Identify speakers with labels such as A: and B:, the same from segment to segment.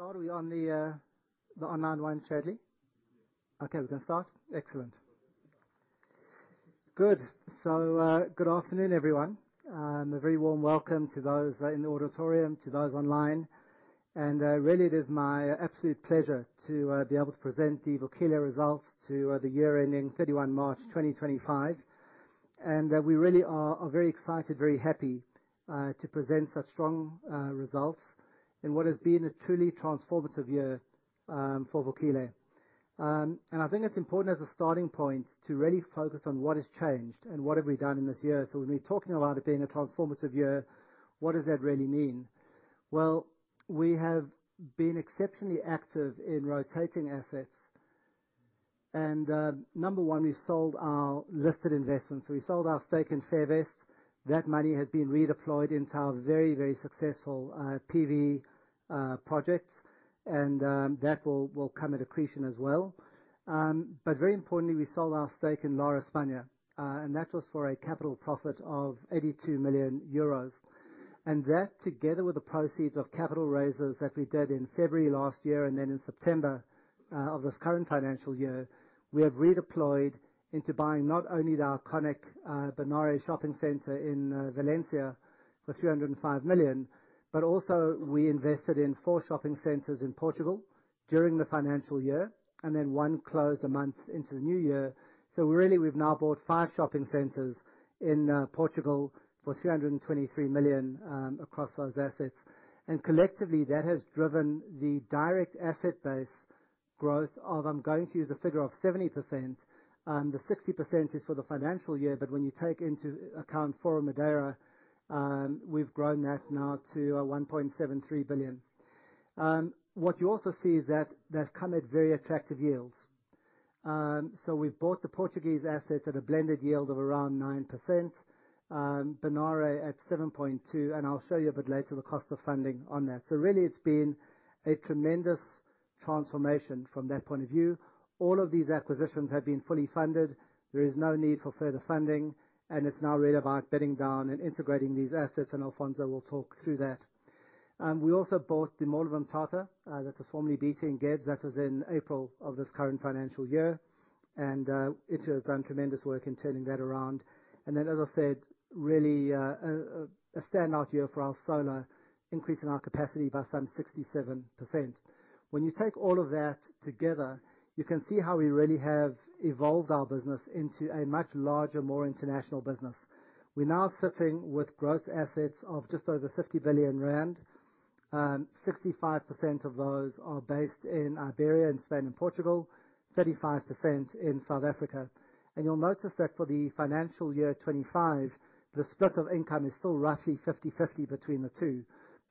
A: To start, are we on the online one, Chadley? Okay, we're gonna start. Excellent. Good. Good afternoon, everyone, and a very warm welcome to those in the auditorium, to those online. Really it is my absolute pleasure to be able to present the Vukile results to the year ending 31 March 2025. We really are very excited, very happy to present such strong results in what has been a truly transformative year for Vukile. I think it's important as a starting point to really focus on what has changed and what have we done in this year. When we're talking about it being a transformative year, what does that really mean? Well, we have been exceptionally active in rotating assets and number one, we sold our listed investments. We sold our stake in Fairvest. That money has been redeployed into our very, very successful PV projects, and that will come at accretion as well. But very importantly, we sold our stake in Lar España, and that was for a capital profit of 82 million euros. That, together with the proceeds of capital raises that we did in February last year and then in September of this current financial year, we have redeployed into buying not only the iconic Bonaire Shopping Center in Valencia for 305 million, but also we invested in four shopping centers in Portugal during the financial year, and then one closed a month into the new year. Really, we've now bought five shopping centers in Portugal for 323 million across those assets. Collectively, that has driven the direct asset base growth of, I'm going to use a figure of 70%. The 60% is for the financial year, but when you take into account Forum Madeira, we've grown that now to 1.73 billion. What you also see is that they've come at very attractive yields. We've bought the Portuguese assets at a blended yield of around 9%, Bonaire at 7.2%, and I'll show you a bit later the cost of funding on that. Really it's been a tremendous transformation from that point of view. All of these acquisitions have been fully funded. There is no need for further funding, and it's now really about bedding down and integrating these assets, and Alfonso will talk through that. We also bought the Mall of Mthatha, that was formerly DC and Gabs. That was in April of this current financial year. Itu has done tremendous work in turning that around. As I said, really, a standout year for our solar, increasing our capacity by some 67%. When you take all of that together, you can see how we really have evolved our business into a much larger, more international business. We're now sitting with gross assets of just over 50 billion rand. 55% of those are based in Iberia and Spain and Portugal, 35% in South Africa. You'll notice that for the financial year 2025, the split of income is still roughly 50/50 between the two.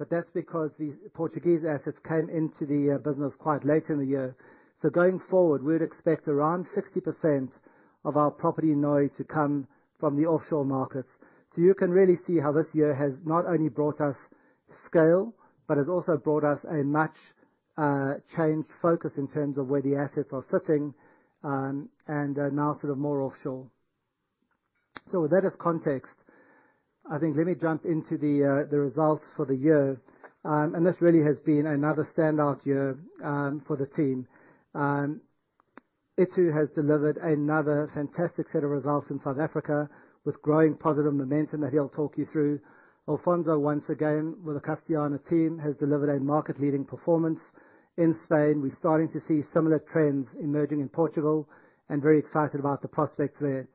A: That's because these Portuguese assets came into the business quite late in the year. Going forward, we'd expect around 60% of our property NOI to come from the offshore markets. You can really see how this year has not only brought us scale, but has also brought us a much changed focus in terms of where the assets are sitting and are now sort of more offshore. With that as context, I think let me jump into the results for the year. This really has been another standout year for the team. Itu has delivered another fantastic set of results in South Africa with growing positive momentum that he'll talk you through. Alfonso, once again, with the Castellana team, has delivered a market-leading performance in Spain. We're starting to see similar trends emerging in Portugal and very excited about the prospects there.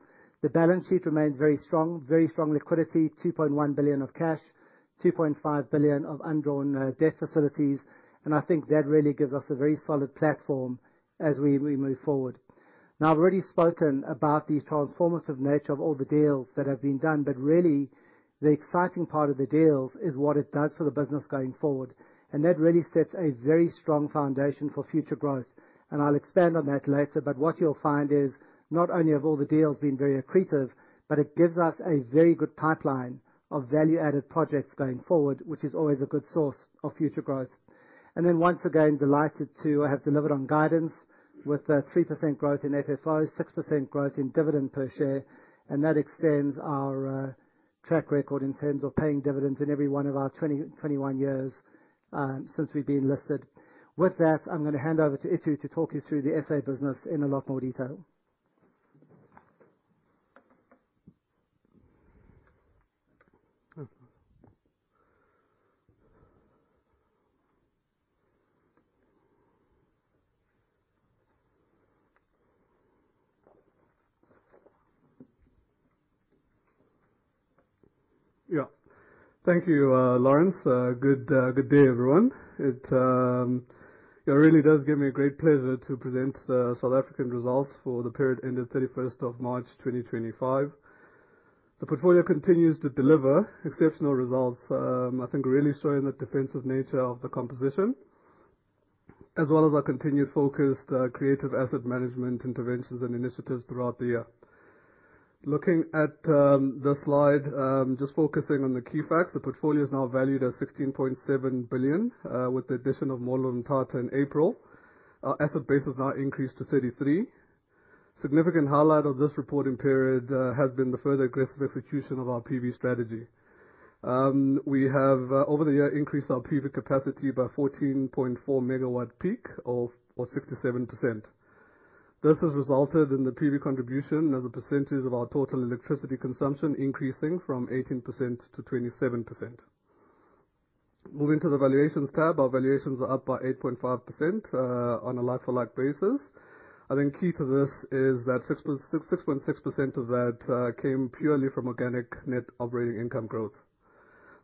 A: The balance sheet remains very strong. Very strong liquidity, 2.1 billion of cash, 2.5 billion of undrawn debt facilities. I think that really gives us a very solid platform as we move forward. I've already spoken about the transformative nature of all the deals that have been done, but really the exciting part of the deals is what it does for the business going forward. That really sets a very strong foundation for future growth. I'll expand on that later, but what you'll find is not only have all the deals been very accretive, but it gives us a very good pipeline of value-added projects going forward, which is always a good source of future growth. Once again, delighted to have delivered on guidance with a 3% growth in FFO, 6% growth in dividend per share, and that extends our track record in terms of paying dividends in every one of our 20, 21 years since we've been listed. With that, I'm gonna hand over to Itu to talk you through the SA business in a lot more detail.
B: Thank you, Laurence. Good day, everyone. It really does give me great pleasure to present the South African results for the period ending 31st of March, 2025. The portfolio continues to deliver exceptional results, I think really showing the defensive nature of the composition, as well as our continued focused, creative asset management interventions and initiatives throughout the year. Looking at the slide, just focusing on the key facts, the portfolio is now valued at 16.7 billion, with the addition of Mall of Mthatha in April. Our asset base has now increased to 33%. Significant highlight of this reporting period has been the further aggressive execution of our PV strategy. We have over the year increased our PV capacity by 14.4% megawatt peak or 67%. This has resulted in the PV contribution as a percentage of our total electricity consumption increasing from 18%-27%. Moving to the valuations tab. Our valuations are up by 8.5% on a like-for-like basis. I think key to this is that 6.6% of that came purely from organic net operating income growth.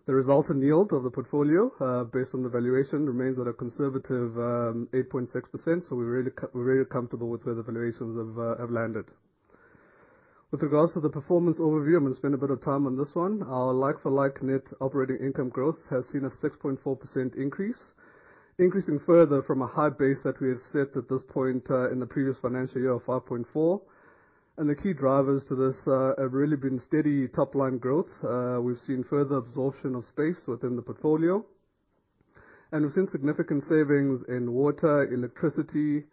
B: The resultant yield of the portfolio, based on the valuation, remains at a conservative 8.6%. We're very comfortable with where the valuations have landed. With regards to the performance overview, I'm gonna spend a bit of time on this one. Our like-for-like net operating income growth has seen a 6.4% increase. Increasing further from a high base that we have set at this point, in the previous financial year of 5.4%. The key drivers to this have really been steady top-line growth. We've seen further absorption of space within the portfolio, and we've seen significant savings in water, electricity,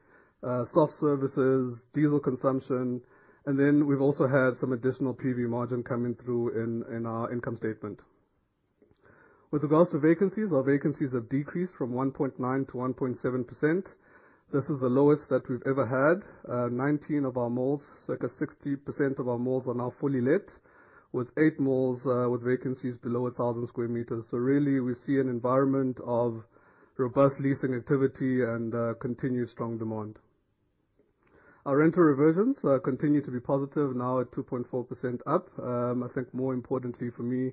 B: soft services, diesel consumption, and then we've also had some additional PV margin coming through in our income statement. With regards to vacancies, our vacancies have decreased from 1.9%-1.7%. This is the lowest that we've ever had. 19 of our malls, circa 60% of our malls are now fully let, with eight malls with vacancies below 1,000 square meters. Really we see an environment of robust leasing activity and continued strong demand. Our rental reversions continue to be positive now at 2.4% up. I think more importantly for me,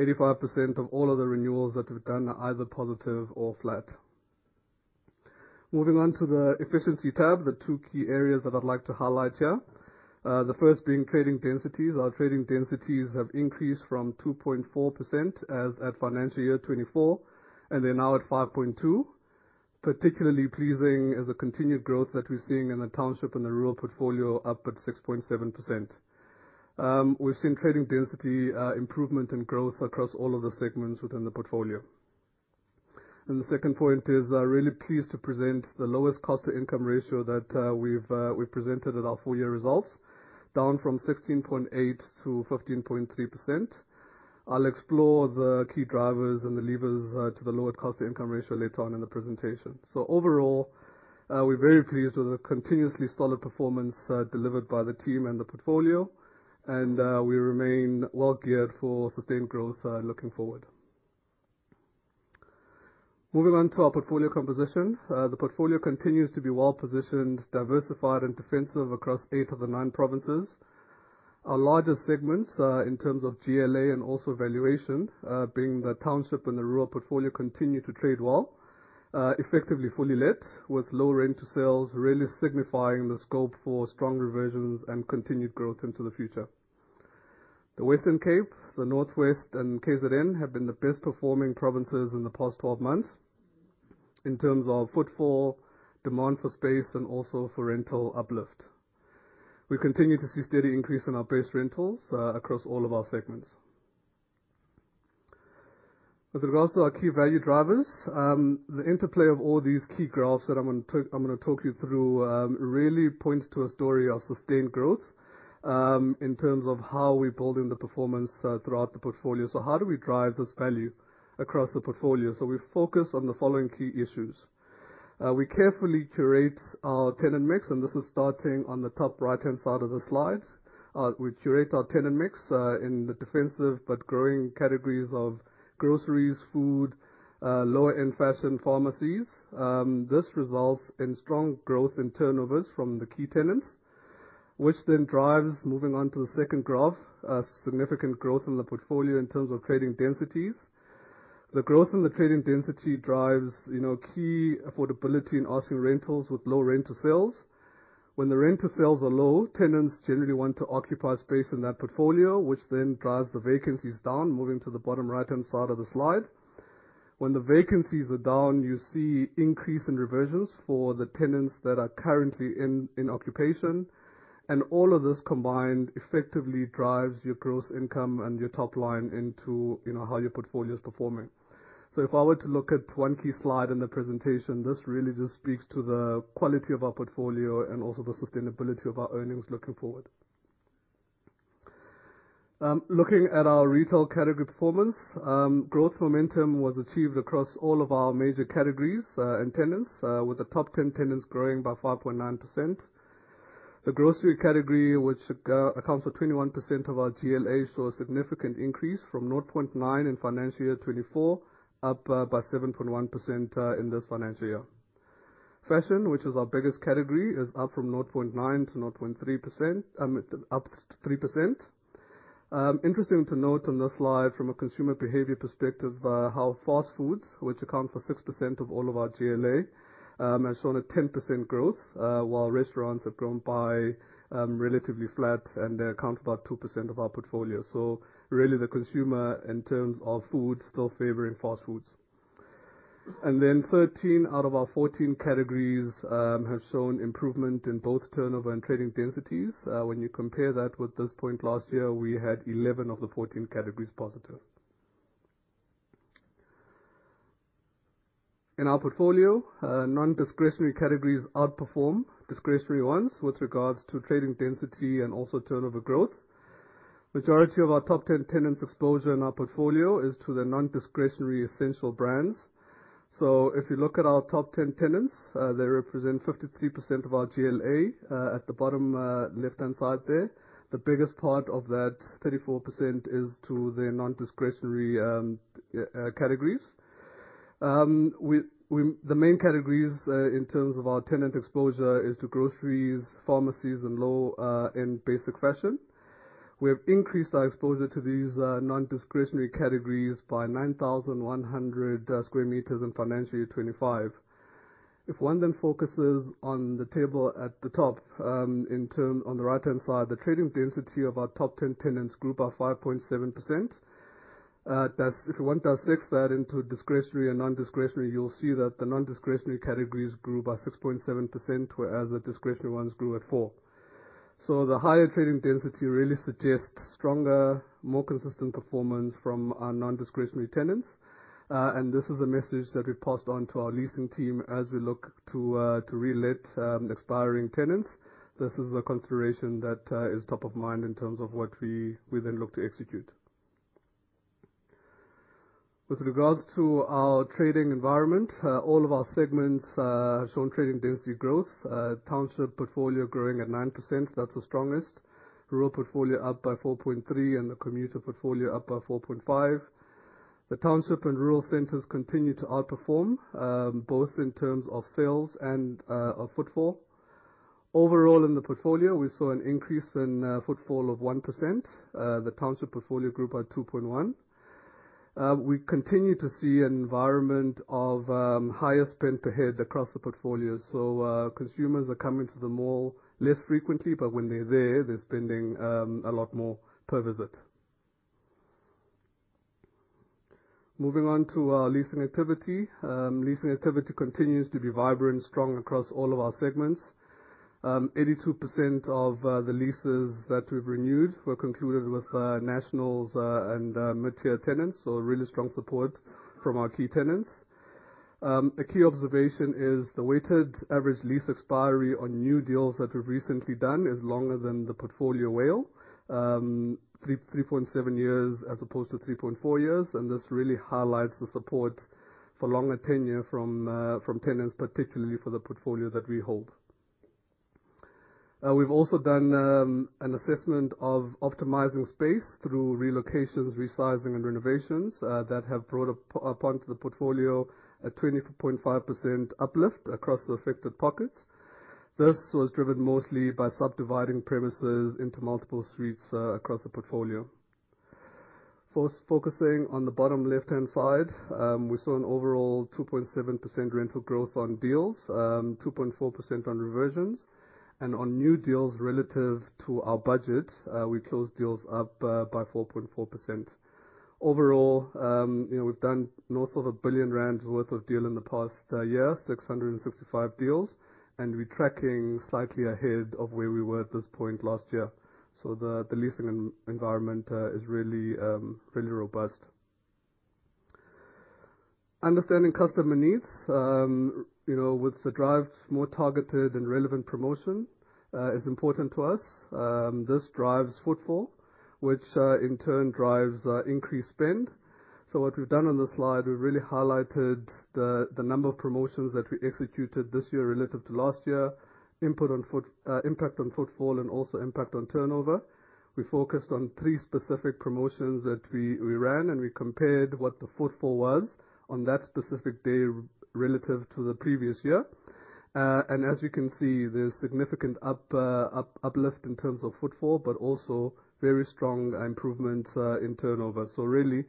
B: 85% of all of the renewals that we've done are either positive or flat. Moving on to the efficiency tab, the two key areas that I'd like to highlight here. The first being trading densities. Our trading densities have increased from 2.4% as at financial year 2024, and they're now at 5.2%. Particularly pleasing is the continued growth that we're seeing in the township and the rural portfolio up at 6.7%. We've seen trading density improvement and growth across all of the segments within the portfolio. The second point is we're really pleased to present the lowest cost to income ratio that we've presented at our full year results. Down from 16.8%-15.3%. I'll explore the key drivers and the levers to the lower cost to income ratio later on in the presentation. Overall, we're very pleased with the continuously solid performance delivered by the team and the portfolio. We remain well geared for sustained growth looking forward. Moving on to our portfolio composition. The portfolio continues to be well positioned, diversified and defensive across eight of the nine provinces. Our largest segments, in terms of GLA and also valuation, being the township and the rural portfolio continue to trade well. Effectively fully let with low rent to sales, really signifying the scope for strong reversions and continued growth into the future. The Western Cape, the Northwest and KZN have been the best performing provinces in the past 12 months in terms of footfall, demand for space and also for rental uplift. We continue to see steady increase in our base rentals across all of our segments. With regards to our key value drivers, the interplay of all these key graphs that I'm gonna talk you through really points to a story of sustained growth in terms of how we're building the performance throughout the portfolio. How do we drive this value across the portfolio? We focus on the following key issues. We carefully curate our tenant mix, and this is starting on the top right-hand side of the slide. We curate our tenant mix in the defensive, but growing categories of groceries, food, lower-end fashion, pharmacies. This results in strong growth in turnovers from the key tenants, which then drives, moving on to the second graph, a significant growth in the portfolio in terms of trading densities. The growth in the trading density drives, you know, key affordability in asking rentals with low rent to sales. When the rent to sales are low, tenants generally want to occupy space in that portfolio, which then drives the vacancies down. Moving to the bottom right-hand side of the slide. When the vacancies are down, you see increase in reversions for the tenants that are currently in occupation. All of this combined effectively drives your growth income and your top line into, you know, how your portfolio is performing. If I were to look at one key slide in the presentation, this really just speaks to the quality of our portfolio and also the sustainability of our earnings looking forward. Looking at our retail category performance, growth momentum was achieved across all of our major categories and tenants, with the top 10 tenants growing by 5.9%. The grocery category, which accounts for 21% of our GLA, saw a significant increase from 0.9% in financial year 2024, up by 7.1% in this financial year. Fashion, which is our biggest category, is up from 0.9%-0.3%, up to 3%. Interesting to note on this slide from a consumer behavior perspective, how fast foods, which account for 6% of all of our GLA, has shown a 10% growth, while restaurants have grown by relatively flat and they account for about 2% of our portfolio. Really the consumer in terms of food, still favoring fast foods. 13 out of our 14 categories have shown improvement in both turnover and trading densities. When you compare that with this point last year, we had 11 of the 14 categories positive. In our portfolio, non-discretionary categories outperform discretionary ones with regards to trading density and also turnover growth. Majority of our top 10 tenants exposure in our portfolio is to the non-discretionary essential brands. If you look at our top 10 tenants, they represent 53% of our GLA at the bottom, left-hand side there. The biggest part of that 34% is to the non-discretionary categories. The main categories in terms of our tenant exposure is to groceries, pharmacies, and low and basic fashion. We have increased our exposure to these non-discretionary categories by 9,100 square meters in financial year 25. If one focuses on the table at the top, in turn, on the right-hand side, the trading density of our top 10 tenants grew by 5.7%. That's, if one dissects that into discretionary and non-discretionary, you'll see that the non-discretionary categories grew by 6.7%, whereas the discretionary ones grew at 4%. The higher trading density really suggests stronger, more consistent performance from our non-discretionary tenants. This is a message that we passed on to our leasing team as we look to re-let expiring tenants. This is a consideration that is top of mind in terms of what we then look to execute. With regards to our trading environment, all of our segments have shown trading density growth. Township portfolio growing at 9%, that's the strongest. Rural portfolio up by 4.3%, and the commuter portfolio up by 4.5%. The township and rural centers continue to outperform, both in terms of sales and footfall. Overall in the portfolio, we saw an increase in footfall of 1%. The township portfolio grew by 2.1%. We continue to see an environment of higher spend per head across the portfolio. Consumers are coming to the mall less frequently, but when they're there, they're spending a lot more per visit. Moving on to our leasing activity. Leasing activity continues to be vibrant, strong across all of our segments. 82% of the leases that we've renewed were concluded with nationals and mid-tier tenants. Really strong support from our key tenants. A key observation is the weighted average lease expiry on new deals that we've recently done is longer than the portfolio WALE. 3.7 years as opposed to 3.4 years, and this really highlights the support for longer tenure from tenants, particularly for the portfolio that we hold. We've also done an assessment of optimizing space through relocations, resizing and renovations that have brought upon to the portfolio a 25% uplift across the affected pockets. This was driven mostly by subdividing premises into multiple suites across the portfolio. First, focusing on the bottom left-hand side, we saw an overall 2.7% rental growth on deals, 2.4% on reversions. On new deals relative to our budget, we closed deals up by 4.4%. Overall, you know, we've done north of 1 billion rand worth of deal in the past year, 665 deals. We're tracking slightly ahead of where we were at this point last year. The leasing environment is really robust. Understanding customer needs, you know, with the drive to more targeted and relevant promotion, is important to us. This drives footfall, which, in turn drives increased spend. What we've done on this slide, we've really highlighted the number of promotions that we executed this year relative to last year, impact on footfall and also impact on turnover. We focused on three specific promotions that we ran, and we compared what the footfall was on that specific day relative to the previous year. As you can see, there's significant uplift in terms of footfall, but also very strong improvements in turnover. Really,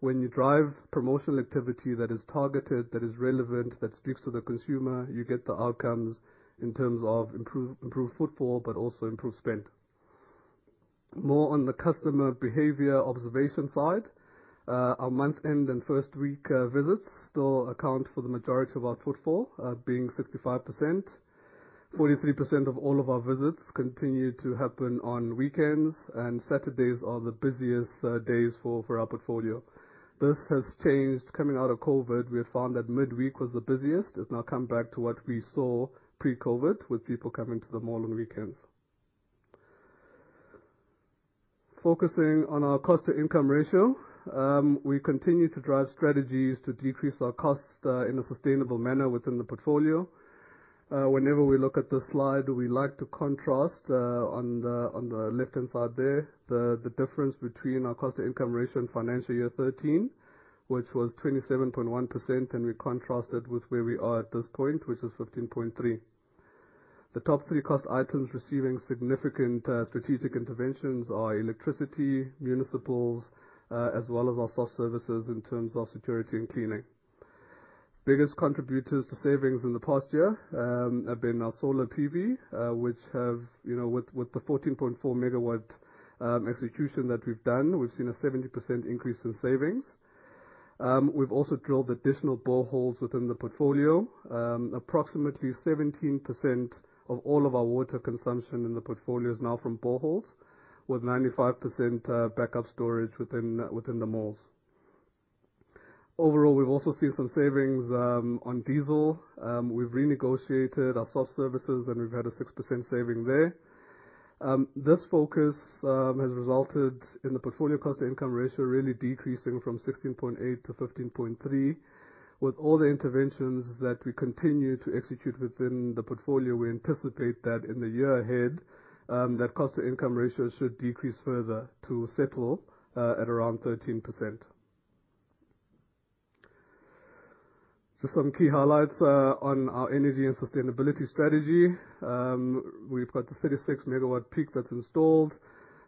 B: when you drive promotional activity that is targeted, that is relevant, that speaks to the consumer, you get the outcomes in terms of improve footfall, but also improve spend. More on the customer behavior observation side. Our month-end and first week visits still account for the majority of our footfall, being 65%. 43% of all of our visits continue to happen on weekends, and Saturdays are the busiest days for our portfolio. This has changed. Coming out of COVID, we found that midweek was the busiest. It's now come back to what we saw pre-COVID, with people coming to the mall on weekends. Focusing on our cost-to-income ratio, we continue to drive strategies to decrease our costs in a sustainable manner within the portfolio. Whenever we look at this slide, we like to contrast on the left-hand side there, the difference between our cost-to-income ratio in financial year 13, which was 27.1%, and we contrast it with where we are at this point, which is 15.3%. The top three cost items receiving significant strategic interventions are electricity, municipals, as well as our soft services in terms of security and cleaning. Biggest contributors to savings in the past year have been our solar PV, which have, you know, with the 14.4 megawatt execution that we've done, we've seen a 70% increase in savings. We've also drilled additional boreholes within the portfolio. Approximately 17% of all of our water consumption in the portfolio is now from boreholes. With 95% backup storage within the malls. Overall, we've also seen some savings on diesel. We've renegotiated our soft services, and we've had a 6% saving there. This focus has resulted in the portfolio cost to income ratio really decreasing from 16.8-15.3. With all the interventions that we continue to execute within the portfolio, we anticipate that in the year ahead, that cost to income ratio should decrease further to settle at around 13%. Just some key highlights on our energy and sustainability strategy. We've got the 36 megawatt peak that's installed.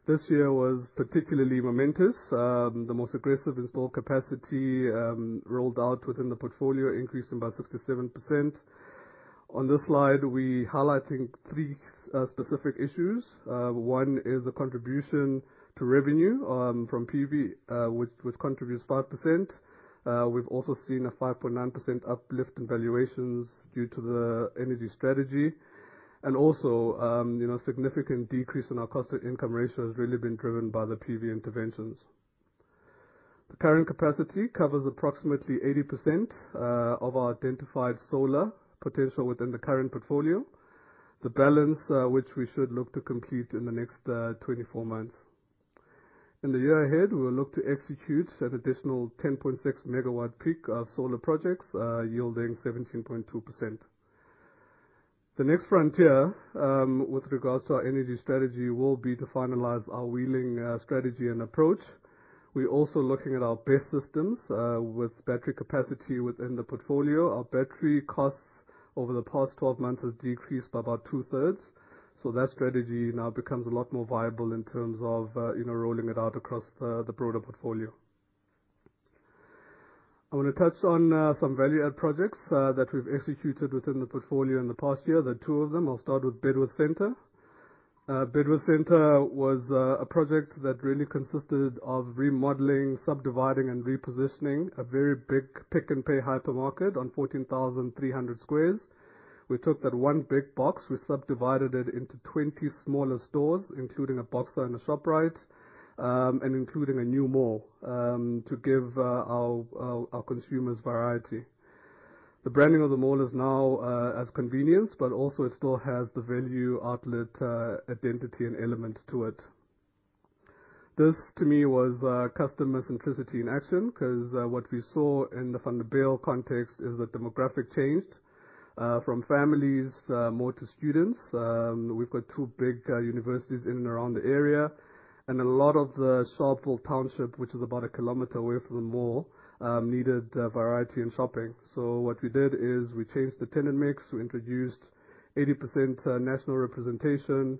B: This year was particularly momentous. The most aggressive install capacity rolled out within the portfolio, increasing by 67%. On this slide, we highlighting three specific issues. One is the contribution to revenue from PV, which contributes 5%. We've also seen a 5.9% uplift in valuations due to the energy strategy. Also, you know, significant decrease in our cost to income ratio has really been driven by the PV interventions. The current capacity covers approximately 80% of our identified solar potential within the current portfolio. The balance, which we should look to complete in the next 24 months. In the year ahead, we'll look to execute an additional 10.6 megawatt peak of solar projects, yielding 17.2%. The next frontier, with regards to our energy strategy, will be to finalize our wheeling strategy and approach. We're also looking at our BESS systems with battery capacity within the portfolio. Our battery costs over the past 12 months has decreased by about two-thirds, so that strategy now becomes a lot more viable in terms of, you know, rolling it out across the broader portfolio. I wanna touch on some value add projects that we've executed within the portfolio in the past year. There are two of them. I'll start with Bedworth Centre. Bedworth Centre was a project that really consisted of remodeling, subdividing, and repositioning a very big Pick n Pay hypermarket on 14,300 sq ft. We took that one big box, we subdivided it into 20 smaller stores, including a Boxer and a Shoprite, and including a new mall to give our consumers variety. The branding of the mall is now as convenience, but also it still has the value outlet identity and element to it. This, to me, was customer centricity in action, because what we saw in the Van der Bijl context is the demographic changed from families more to students. We've got two big universities in and around the area, and a lot of the Sharpeville Township, which is about a kilometer away from the mall, needed variety and shopping. What we did is we changed the tenant mix. We introduced 80% national representation.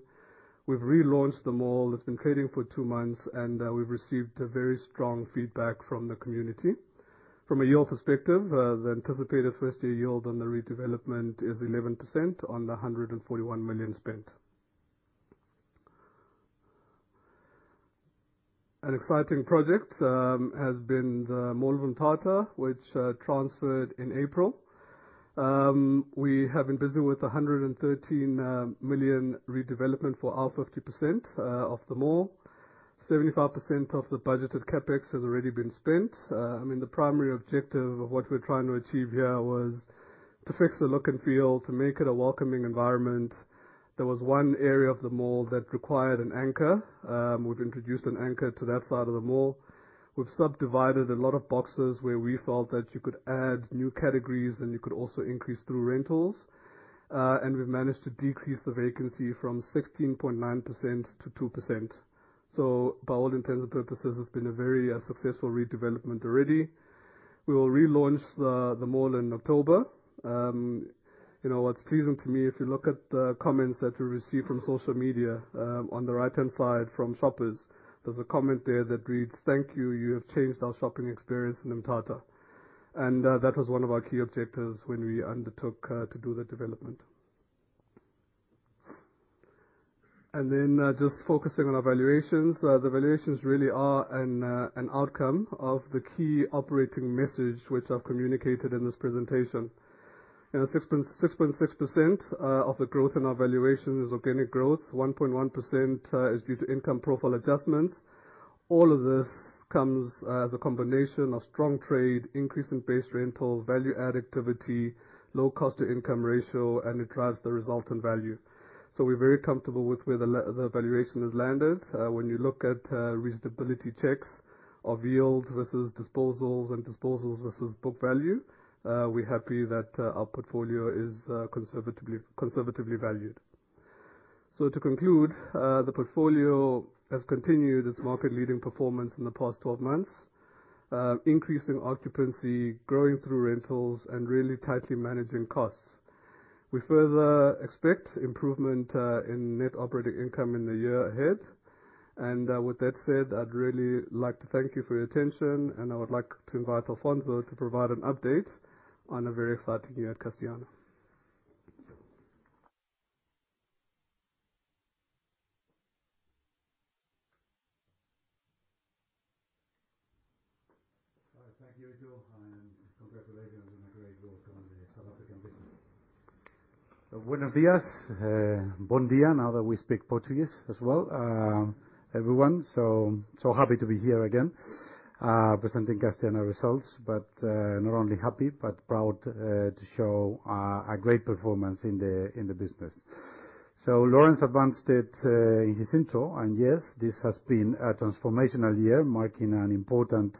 B: We've relaunched the mall. It's been trading for two months, and we've received a very strong feedback from the community. From a yield perspective, the anticipated first-year yield on the redevelopment is 11% on the 141 million spent. An exciting project has been the Mall of Mthatha, which transferred in April. We have been busy with a 113 million redevelopment for our 50% of the mall. 75% of the budgeted CapEx has already been spent. I mean, the primary objective of what we're trying to achieve here was to fix the look and feel, to make it a welcoming environment. There was one area of the mall that required an anchor. We've introduced an anchor to that side of the mall. We've subdivided a lot of boxes where we felt that you could add new categories and you could also increase through rentals. We've managed to decrease the vacancy from 16.9%-2%. By all intents and purposes, it's been a very successful redevelopment already. We will relaunch the mall in October. You know, what's pleasing to me, if you look at the comments that we received from social media, on the right-hand side from shoppers, there's a comment there that reads, "Thank you. You have changed our shopping experience in Mthatha." That was one of our key objectives when we undertook to do the development. Just focusing on our valuations. The valuations really are an outcome of the key operating message which I've communicated in this presentation. You know, 6.6% of the growth in our valuation is organic growth. 1.1% is due to income profile adjustments. All of this comes as a combination of strong trade, increase in base rental, value add activity, low cost to income ratio, and it drives the result and value. We're very comfortable with where the valuation has landed. When you look at reasonability checks of yields versus disposals and disposals versus book value, we're happy that our portfolio is conservatively valued. To conclude, the portfolio has continued its market leading performance in the past 12 months, increasing occupancy, growing through rentals, and really tightly managing costs. We further expect improvement in NOI in the year ahead. With that said, I'd really like to thank you for your attention, and I would like to invite Alfonso to provide an update on a very exciting year at Castellana.
C: Thank you, Joe, and congratulations on a great role on the South African business. Buenos dias. Bom dia, now that we speak Portuguese as well, everyone. So happy to be here again, presenting Castellana results. Not only happy, but proud to show a great performance in the business. Laurence advanced it in his intro, and yes, this has been a transformational year, marking an important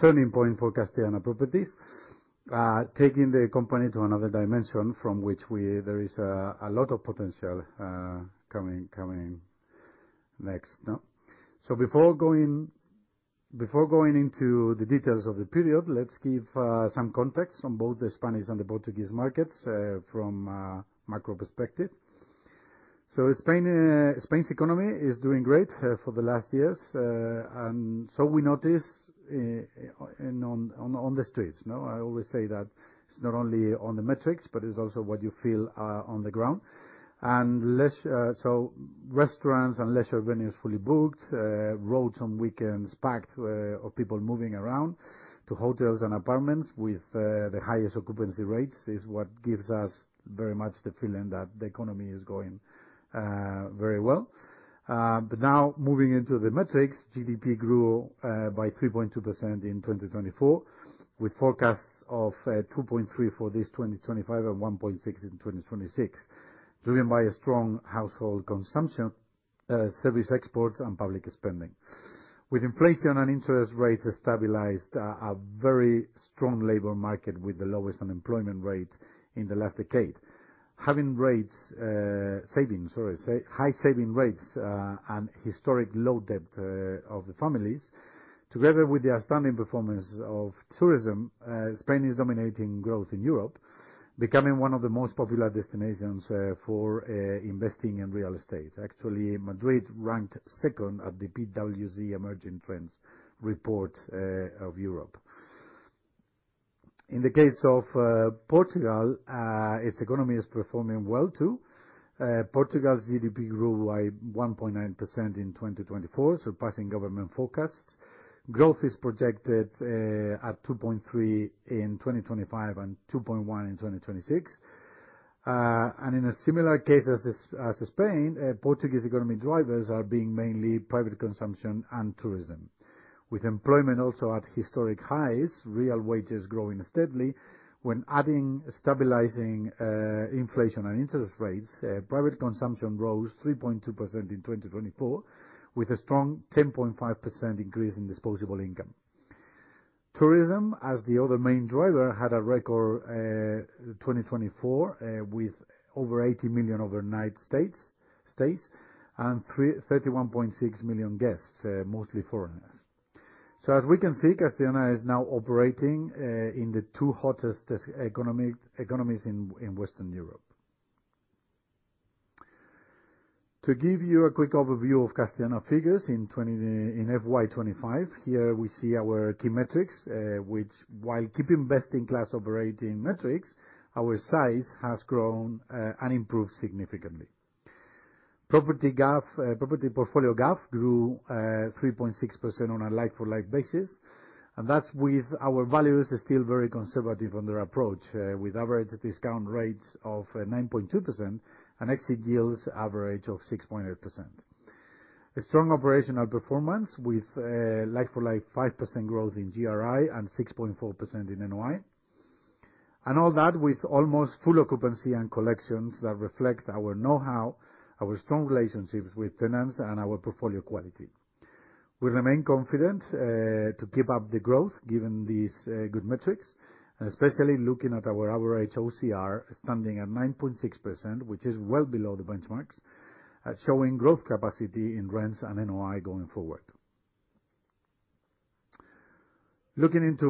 C: turning point for Castellana Properties, taking the company to another dimension from which there is a lot of potential coming next. No? Before going into the details of the period, let's give some context on both the Spanish and the Portuguese markets from a macro perspective. Spain's economy is doing great for the last years, we notice on the streets, you know? I always say that it's not only on the metrics, but it's also what you feel on the ground. Restaurants and leisure venues fully booked, roads on weekends packed, of people moving around to hotels and apartments with the highest occupancy rates is what gives us very much the feeling that the economy is going very well. Now moving into the metrics, GDP grew by 3.2% in 2024, with forecasts of 2.3% for this 2025 and 1.6% in 2026, driven by a strong household consumption, service exports, and public spending. With inflation and interest rates stabilized, a very strong labor market with the lowest unemployment rate in the last decade. Having high saving rates and historic low debt of the families, together with the outstanding performance of tourism, Spain is dominating growth in Europe, becoming one of the most popular destinations for investing in real estate. Actually, Madrid ranked second at the PwC Emerging Trends report of Europe. In the case of Portugal, its economy is performing well too. Portugal's GDP grew by 1.9% in 2024, surpassing government forecasts. Growth is projected at 2.3% in 2025 and 2.1% in 2026. In a similar case as Spain, Portuguese economy drivers are being mainly private consumption and tourism. With employment also at historic highs, real wages growing steadily when adding stabilizing inflation and interest rates, private consumption rose 3.2% in 2024, with a strong 10.5% increase in disposable income. Tourism, as the other main driver, had a record 2024, with over 80 million overnight stays and 31.6 million guests, mostly foreigners. As we can see, Castellana is now operating in the two hottest economies in Western Europe. To give you a quick overview of Castellana figures in FY 2025, here we see our key metrics, which while keeping best-in-class operating metrics, our size has grown and improved significantly. Property GAF, property portfolio GAF grew 3.6% on a like-for-like basis, and that's with our values still very conservative on their approach, with average discount rates of 9.2% and exit deals average of 6.8%. A strong operational performance with like-for-like 5% growth in GRI and 6.4% in NOI. All that with almost full occupancy and collections that reflect our know-how, our strong relationships with tenants, and our portfolio quality. We remain confident to keep up the growth given these good metrics, and especially looking at our average OCR standing at 9.6%, which is well below the benchmarks, showing growth capacity in rents and NOI going forward. Looking into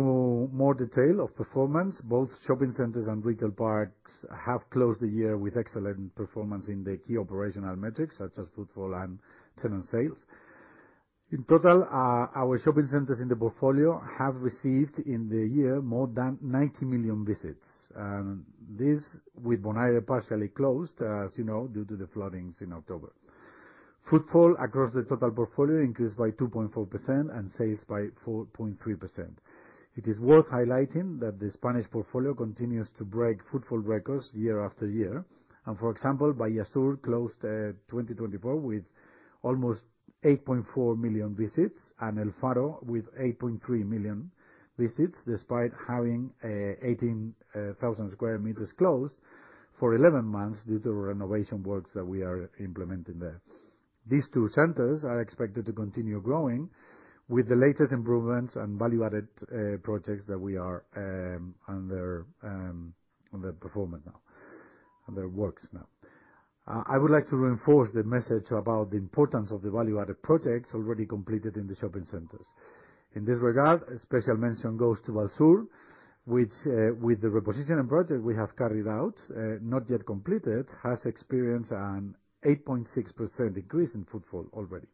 C: more detail of performance, both shopping centers and retail parks have closed the year with excellent performance in the key operational metrics such as footfall and tenant sales. In total, our shopping centers in the portfolio have received in the year more than 90 million visits. This with Bonaire partially closed, as you know, due to the floodings in October. Footfall across the total portfolio increased by 2.4% and sales by 4.3%. It is worth highlighting that the Spanish portfolio continues to break footfall records year after year. For example, Bahía Sur closed 2024 with almost 8.4 million visits and El Faro with 8.3 million visits despite having 18,000 square meters closed for 11 months due to renovation works that we are implementing there. These two centers are expected to continue growing with the latest improvements and value-added projects that we are under works now. I would like to reinforce the message about the importance of the value-added projects already completed in the shopping centers. In this regard, a special mention goes to Vallsur, which with the repositioning project we have carried out, not yet completed, has experienced an 8.6% increase in footfall already.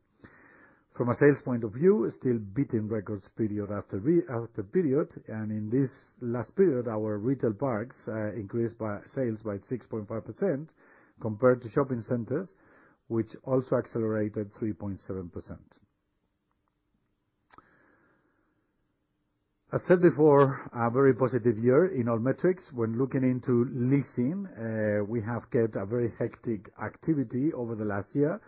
C: From a sales point of view, still beating records period after period, and in this last period, our retail parks increased sales by 6.5% compared to shopping centers, which also accelerated 3.7%. I said before, a very positive year in all metrics. When looking into leasing, we have kept a very hectic activity over the last year,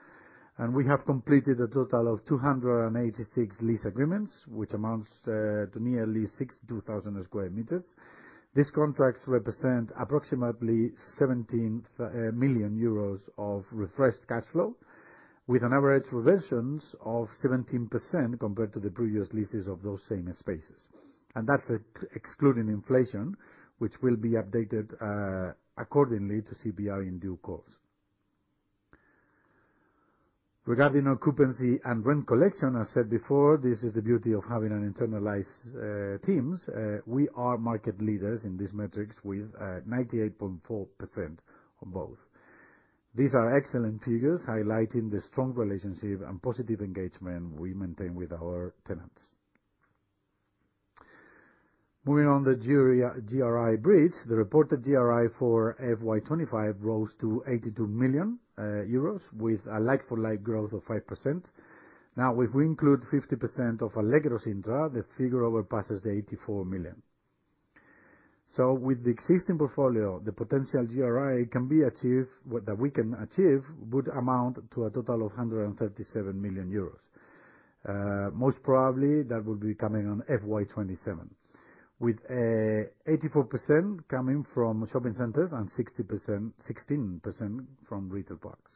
C: and we have completed a total of 286 lease agreements, which amounts to nearly 62,000 square meters. These contracts represent approximately 17 million euros of refreshed cash flow, with an average revisions of 17% compared to the previous leases of those same spaces. That's excluding inflation, which will be updated accordingly to CPI in due course. Regarding occupancy and rent collection, I said before, this is the beauty of having an internalized teams. We are market leaders in these metrics with 98.4% on both. These are excellent figures highlighting the strong relationship and positive engagement we maintain with our tenants. Moving on the GRI bridge. The reported GRI for FY 2025 rose to 82 million euros with a like-for-like growth of 5%. If we include 50% of Alegro Sintra, the figure over passes the 84 million. With the existing portfolio, the potential GRI that we can achieve would amount to a total of 137 million euros. Most probably that will be coming on FY 2027, with 84% coming from shopping centers and 16% from retail parks.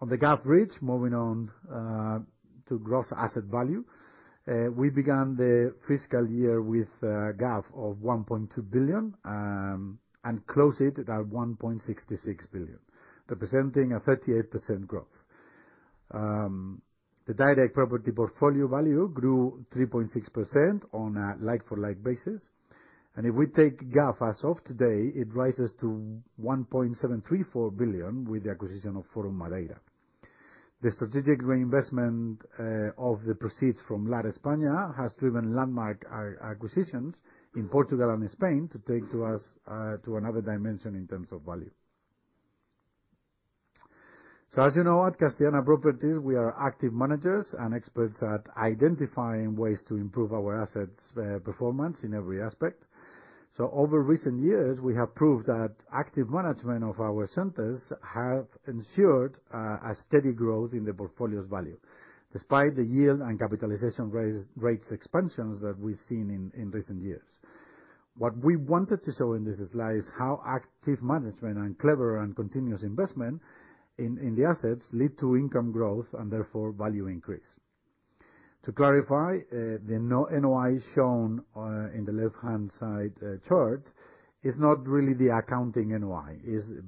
C: On the GAV bridge, moving on to gross asset value. We began the fiscal year with a GAV of 1.2 billion and closed it at 1.66 billion, representing a 38% growth. The direct property portfolio value grew 3.6% on a like-for-like basis. If we take GAV as of today, it rises to 1.734 billion with the acquisition of Forum Madeira. The strategic reinvestment of the proceeds from Lar España has driven landmark acquisitions in Portugal and Spain to take to us to another dimension in terms of value. As you know, at Castellana Properties, we are active managers and experts at identifying ways to improve our assets' performance in every aspect. Over recent years, we have proved that active management of our centers have ensured a steady growth in the portfolio's value, despite the yield and capitalization rates expansions that we've seen in recent years. We wanted to show in this slide is how active management and clever and continuous investment in the assets lead to income growth and therefore value increase. To clarify, the NOI shown in the left-hand side chart is not really the accounting NOI.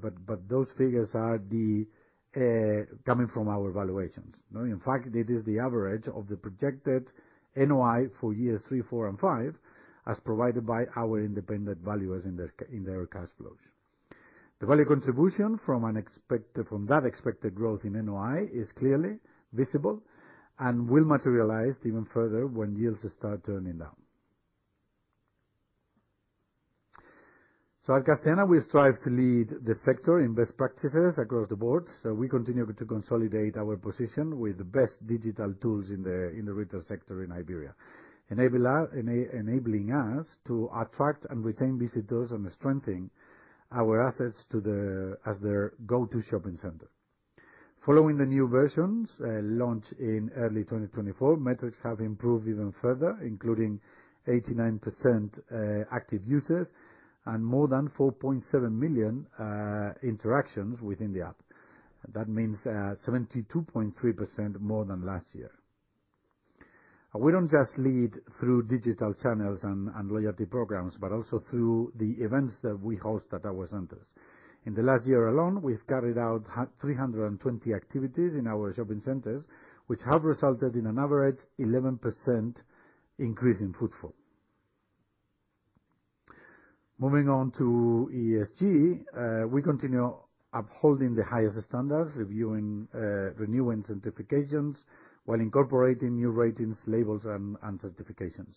C: But those figures are the coming from our valuations. No, in fact, it is the average of the projected NOI for years three, four, and five as provided by our independent valuers in their cash flows. The value contribution from that expected growth in NOI is clearly visible and will materialize even further when yields start turning down. At Castellana, we strive to lead the sector in best practices across the board, so we continue to consolidate our position with the best digital tools in the retail sector in Iberia. Enabling us to attract and retain visitors and strengthen our assets as their go-to shopping center. Following the new versions, launched in early 2024, metrics have improved even further, including 89% active users and more than 4.7 million interactions within the app. That means 72.3% more than last year. We don't just lead through digital channels and loyalty programs, but also through the events that we host at our centers. In the last year alone, we've carried out 320 activities in our shopping centers, which have resulted in an average 11% increase in footfall. Moving on to ESG, we continue upholding the highest standards, reviewing, renewing certifications, while incorporating new ratings, labels, and certifications.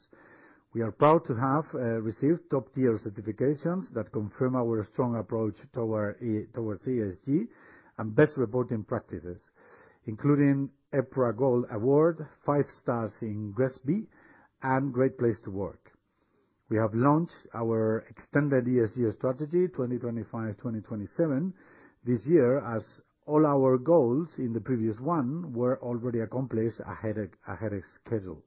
C: We are proud to have received top-tier certifications that confirm our strong approach towards ESG and best reporting practices, including EPRA Gold Award, five stars in GRESB, and Great Place To Work. We have launched our extended ESG strategy, 2025, 2027 this year, as all our goals in the previous one were already accomplished ahead of schedule.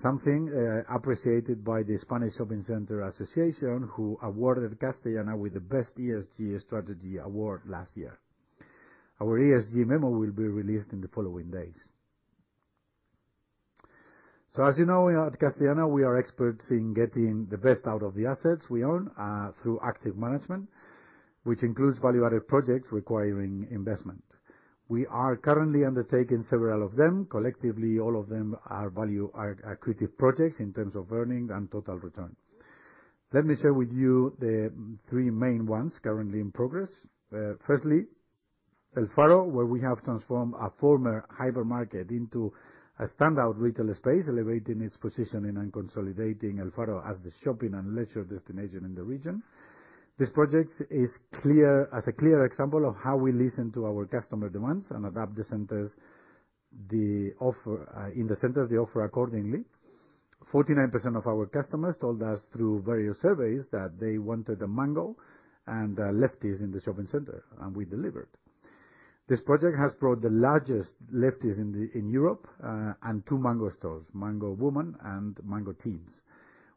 C: Something appreciated by the Spanish Shopping Center Association, who awarded Castellana with the Best ESG Strategy Award last year. Our ESG memo will be released in the following days. As you know, at Castellana, we are experts in getting the best out of the assets we own through active management, which includes value-added projects requiring investment. We are currently undertaking several of them. Collectively, all of them are accretive projects in terms of earnings and total return. Let me share with you the three main ones currently in progress. firstly, El Faro, where we have transformed a former hypermarket into a standout retail space, elevating its positioning and consolidating El Faro as the shopping and leisure destination in the region. As a clear example of how we listen to our customer demands and adapt the centers, the offer accordingly. 49% of our customers told us through various surveys that they wanted a Mango and a Lefties in the shopping center, and we delivered. This project has brought the largest Lefties in Europe, and two Mango stores, Mango Woman and Mango Teens.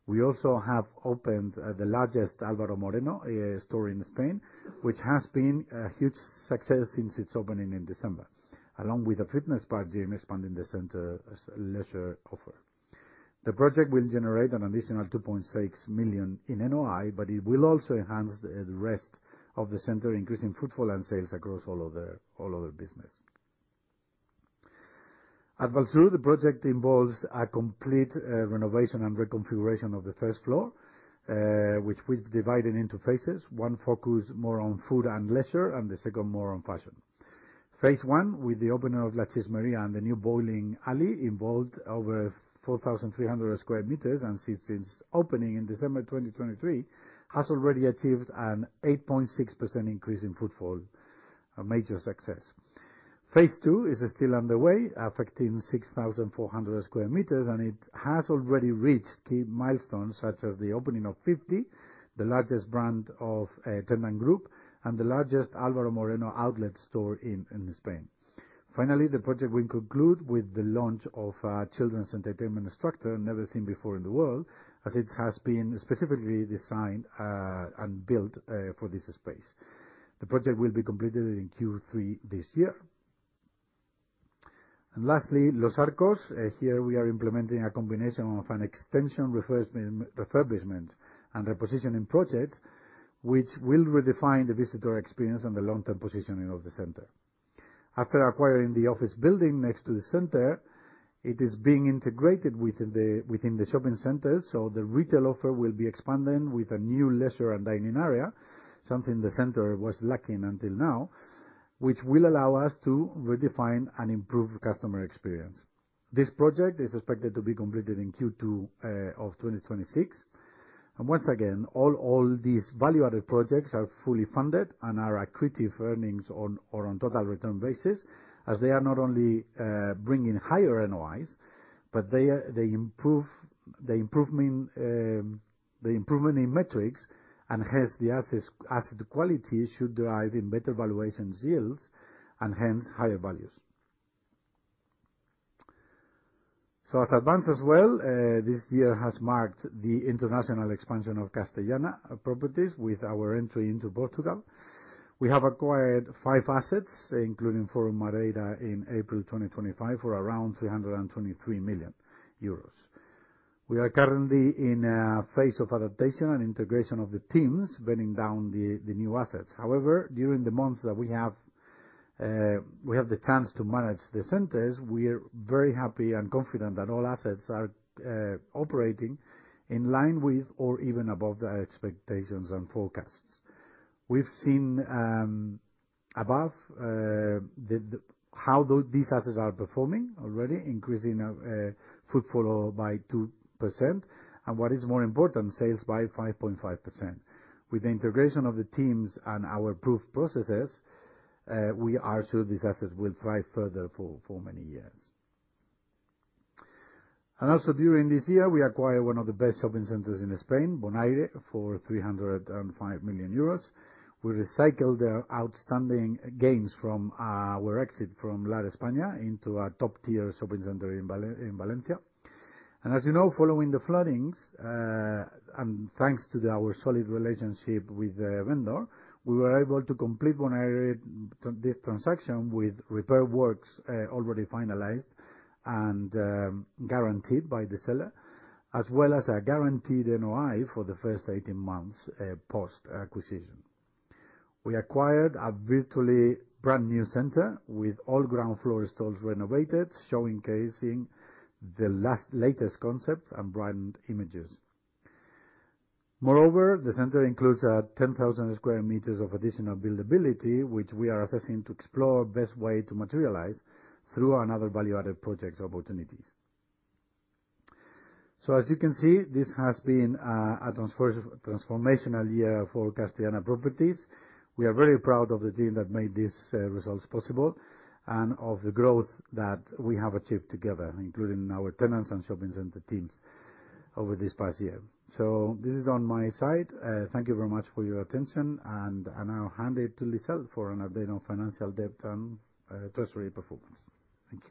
C: We also have opened the largest Álvaro Moreno store in Spain, which has been a huge success since its opening in December, along with a Fitness Park gym expanding the center's leisure offer. The project will generate an additional 2.6 million in NOI. It will also enhance the rest of the center, increasing footfall and sales across all other business. At Vallsur, the project involves a complete renovation and reconfiguration of the first floor, which we divided into phases, one focused more on food and leisure, and the second more on fashion. Phase one, with the opening of La Sis Maria and the new bowling alley, involved over 4,300 square meters, and since opening in December 2023, has already achieved an 8.6% increase in footfall. A major success. Phase two is still underway, affecting 6,400 square meters. It has already reached key milestones, such as the opening of Fifty, the largest brand of a tenant group and the largest Álvaro Moreno outlet store in Spain. Finally, the project will conclude with the launch of a children's entertainment structure never seen before in the world, as it has been specifically designed and built for this space. The project will be completed in Q3 this year. Lastly, Los Arcos. Here we are implementing a combination of an extension refurbishment and repositioning project, which will redefine the visitor experience and the long-term positioning of the center. After acquiring the office building next to the center, it is being integrated within the shopping center, so the retail offer will be expanding with a new leisure and dining area, something the center was lacking until now, which will allow us to redefine and improve customer experience. This project is expected to be completed in Q2 of 2026. Once again, all these value-added projects are fully funded and are accretive earnings on, or on total return basis, as they are not only bringing higher NOIs, but they improve, the improvement in metrics, and hence, the asset quality should drive in better valuations yields and hence higher values. As advanced as well, this year has marked the international expansion of Castellana Properties with our entry into Portugal. We have acquired five assets, including Forum Madeira in April 2025 for around 323 million euros. We are currently in a phase of adaptation and integration of the teams bedding down the new assets. During the months that we have the chance to manage the centers, we are very happy and confident that all assets are operating in line with or even above the expectations and forecasts. We've seen above how these assets are performing already, increasing footfall by 2%, and what is more important, sales by 5.5%. With the integration of the teams and our approved processes, we are sure these assets will thrive further for many years. Also during this year, we acquired one of the best shopping centers in Spain, Bonaire, for 305 million euros. We recycled their outstanding gains from our exit from Lar España into a top-tier shopping center in Valencia. As you know, following the floodings, and thanks to our solid relationship with the vendor, we were able to complete Bonaire this transaction with repair works already finalized and guaranteed by the seller, as well as a guaranteed NOI for the first 18 months post-acquisition. We acquired a virtually brand-new center with all ground floor stores renovated, showcasing the latest concepts and brand images. Moreover, the center includes 10,000 sq m of additional buildability, which we are assessing to explore best way to materialize through another value-added project opportunities. As you can see, this has been a transformational year for Castellana Properties. We are very proud of the team that made these results possible and of the growth that we have achieved together, including our tenants and shopping center teams over this past year. This is on my side. Thank you very much for your attention, and I now hand it to Lizelle for an update on financial debt and treasury performance. Thank you.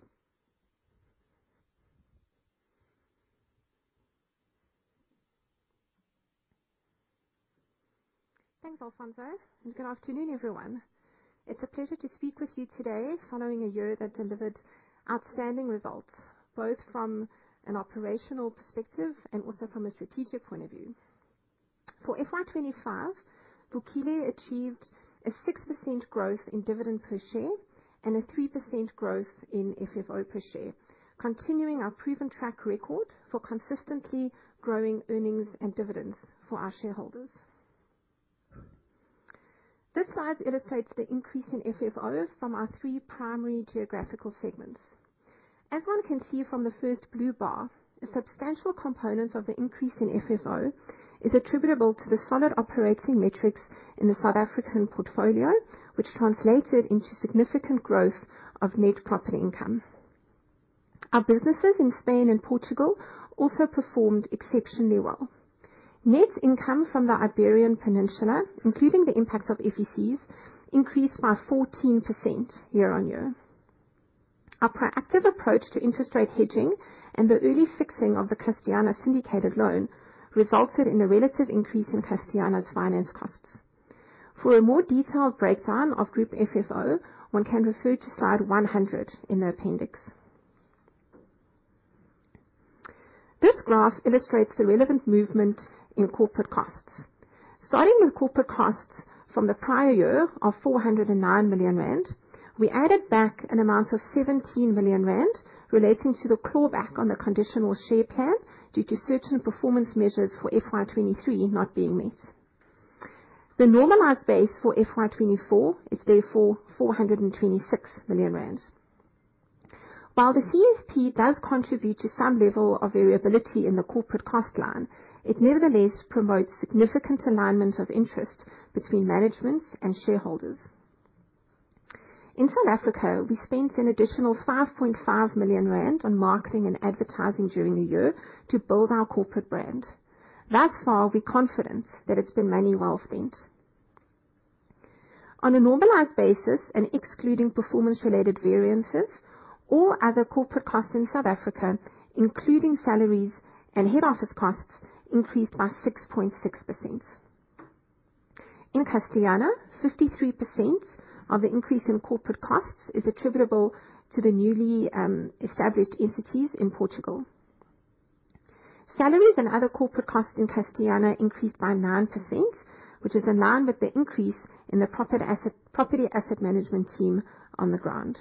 D: Thanks, Alfonso, and good afternoon, everyone. It's a pleasure to speak with you today following a year that delivered outstanding results, both from an operational perspective and also from a strategic point of view. For FY 2025, Vukile achieved a 6% growth in dividend per share and a 3% growth in FFO per share, continuing our proven track record for consistently growing earnings and dividends for our shareholders. This slide illustrates the increase in FFO from our three primary geographical segments. As one can see from the first blue bar, a substantial component of the increase in FFO is attributable to the solid operating metrics in the South African portfolio, which translated into significant growth of net property income. Our businesses in Spain and Portugal also performed exceptionally well. Net income from the Iberian Peninsula, including the impact of FECs, increased by 14% year-on-year. Our proactive approach to interest rate hedging and the early fixing of the Castellana syndicated loan resulted in a relative increase in Castellana's finance costs. For a more detailed breakdown of group FFO, one can refer to slide 100 in the appendix. This graph illustrates the relevant movement in corporate costs. Starting with corporate costs from the prior year of 409 million rand, we added back an amount of 17 million rand relating to the clawback on the conditional share plan due to certain performance measures for FY 2023 not being met. The normalized base for FY 2024 is therefore 426 million rand. While the CSP does contribute to some level of variability in the corporate cost line, it nevertheless promotes significant alignment of interest between managements and shareholders. In South Africa, we spent an additional 5.5 million rand on marketing and advertising during the year to build our corporate brand. Thus far, we're confident that it's been money well spent. On a normalized basis and excluding performance-related variances or other corporate costs in South Africa, including salaries and head office costs, increased by 6.6%. In Castellana, 53% of the increase in corporate costs is attributable to the newly established entities in Portugal. Salaries and other corporate costs in Castellana increased by 9%, which is in line with the increase in the property asset management team on the ground.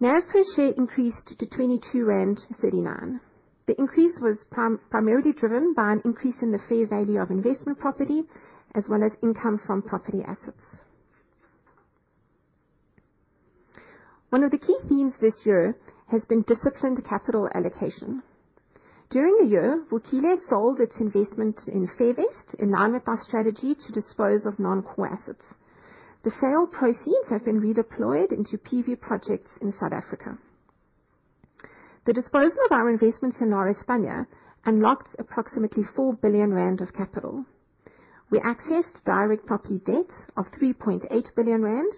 D: Net per share increased to 22.39 rand. The increase was primarily driven by an increase in the fair value of investment property as well as income from property assets. One of the key themes this year has been disciplined capital allocation. During the year, Vukile sold its investment in Fairvest in line with our strategy to dispose of non-core assets. The sale proceeds have been redeployed into PV projects in South Africa. The disposal of our investments in Lar España unlocked approximately 4 billion rand of capital. We accessed direct property debt of 3.8 billion rand,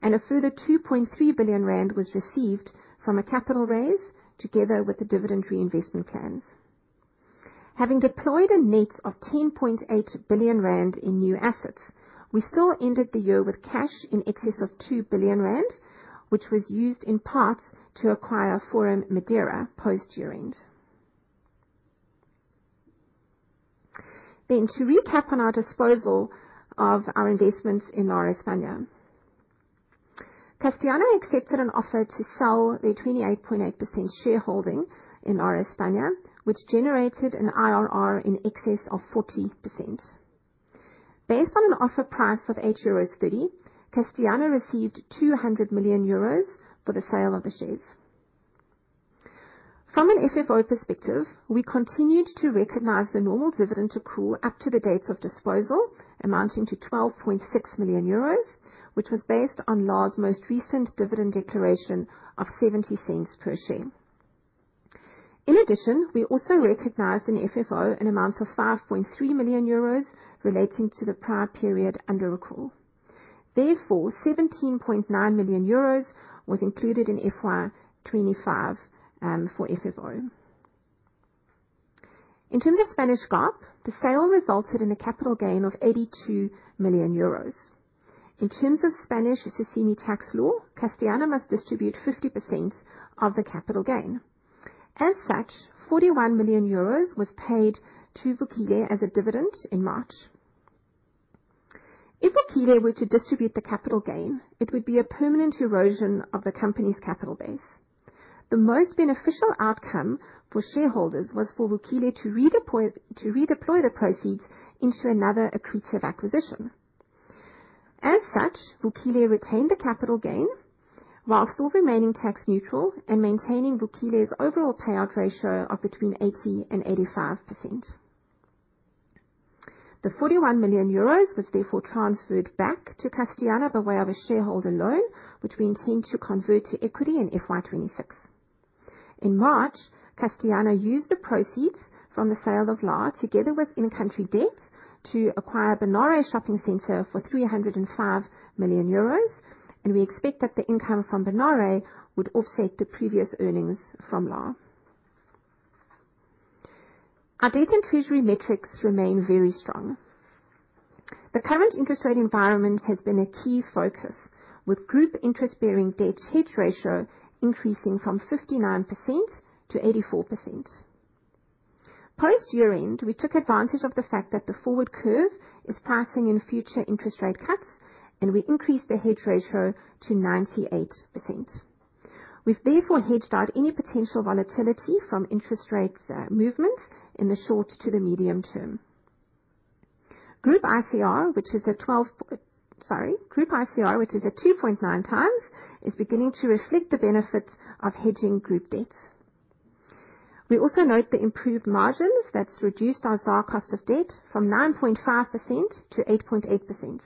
D: and a further 2.3 billion rand was received from a capital raise together with the dividend reinvestment plans. Having deployed a net of 10.8 billion rand in new assets, we still ended the year with cash in excess of 2 billion rand, which was used in part to acquire Forum Madeira post-year-end. To recap on our disposal of our investments in Lar España. Castellana accepted an offer to sell their 28.8% shareholding in Lar España, which generated an IRR in excess of 40%. Based on an offer price of 8.30 euros, Castellana received 200 million euros for the sale of the shares. From an FFO perspective, we continued to recognize the normal dividend accrual up to the dates of disposal, amounting to 12.6 million euros, which was based on Lar's most recent dividend declaration of 0.70 per share. We also recognized in FFO an amount of 5.3 million euros relating to the prior period under accrual. 17.9 million euros was included in FY 2025 for FFO. In terms of Spanish GAAP, the sale resulted in a capital gain of 82 million euros. In terms of Spanish SOCIMI tax law, Castellana must distribute 50% of the capital gain. 41 million euros was paid to Vukile as a dividend in March. If Vukile were to distribute the capital gain, it would be a permanent erosion of the company's capital base. The most beneficial outcome for shareholders was for Vukile to redeploy the proceeds into another accretive acquisition. Vukile retained the capital gain whilst still remaining tax neutral and maintaining Vukile's overall payout ratio of between 80% and 85%. The 41 million euros was therefore transferred back to Castellana by way of a shareholder loan, which we intend to convert to equity in FY 2026. In March, Castellana used the proceeds from the sale of Lar together with in-country debt to acquire Bonaire Shopping Centre for 305 million euros. We expect that the income from Bonaire would offset the previous earnings from Lar. Our debt and treasury metrics remain very strong. The current interest rate environment has been a key focus, with group interest-bearing debt hedge ratio increasing from 59%-84%. Post-year-end, we took advantage of the fact that the forward curve is pricing in future interest rate cuts. We increased the hedge ratio to 98%. We've therefore hedged out any potential volatility from interest rates movements in the short to the medium term. Group ICR, which is at 2.9 times, is beginning to reflect the benefits of hedging group debt. We also note the improved margins that's reduced our ZAR cost of debt from 9.5%-8.8%.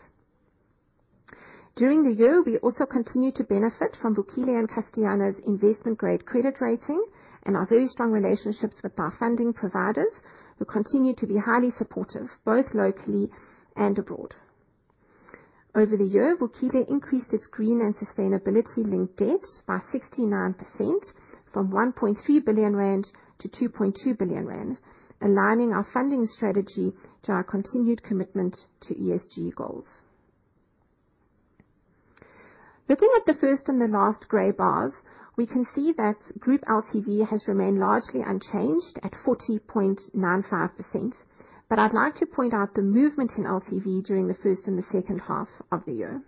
D: During the year, we also continued to benefit from Vukile and Castellana's investment-grade credit rating and our very strong relationships with our funding providers, who continue to be highly supportive, both locally and abroad. Over the year, Vukile increased its green and sustainability-linked debt by 69% from 1.3 billion-2.2 billion rand, aligning our funding strategy to our continued commitment to ESG goals. Looking at the first and the last gray bars, we can see that group LTV has remained largely unchanged at 40.95%. I'd like to point out the movement in LTV during the first and the second half of the year.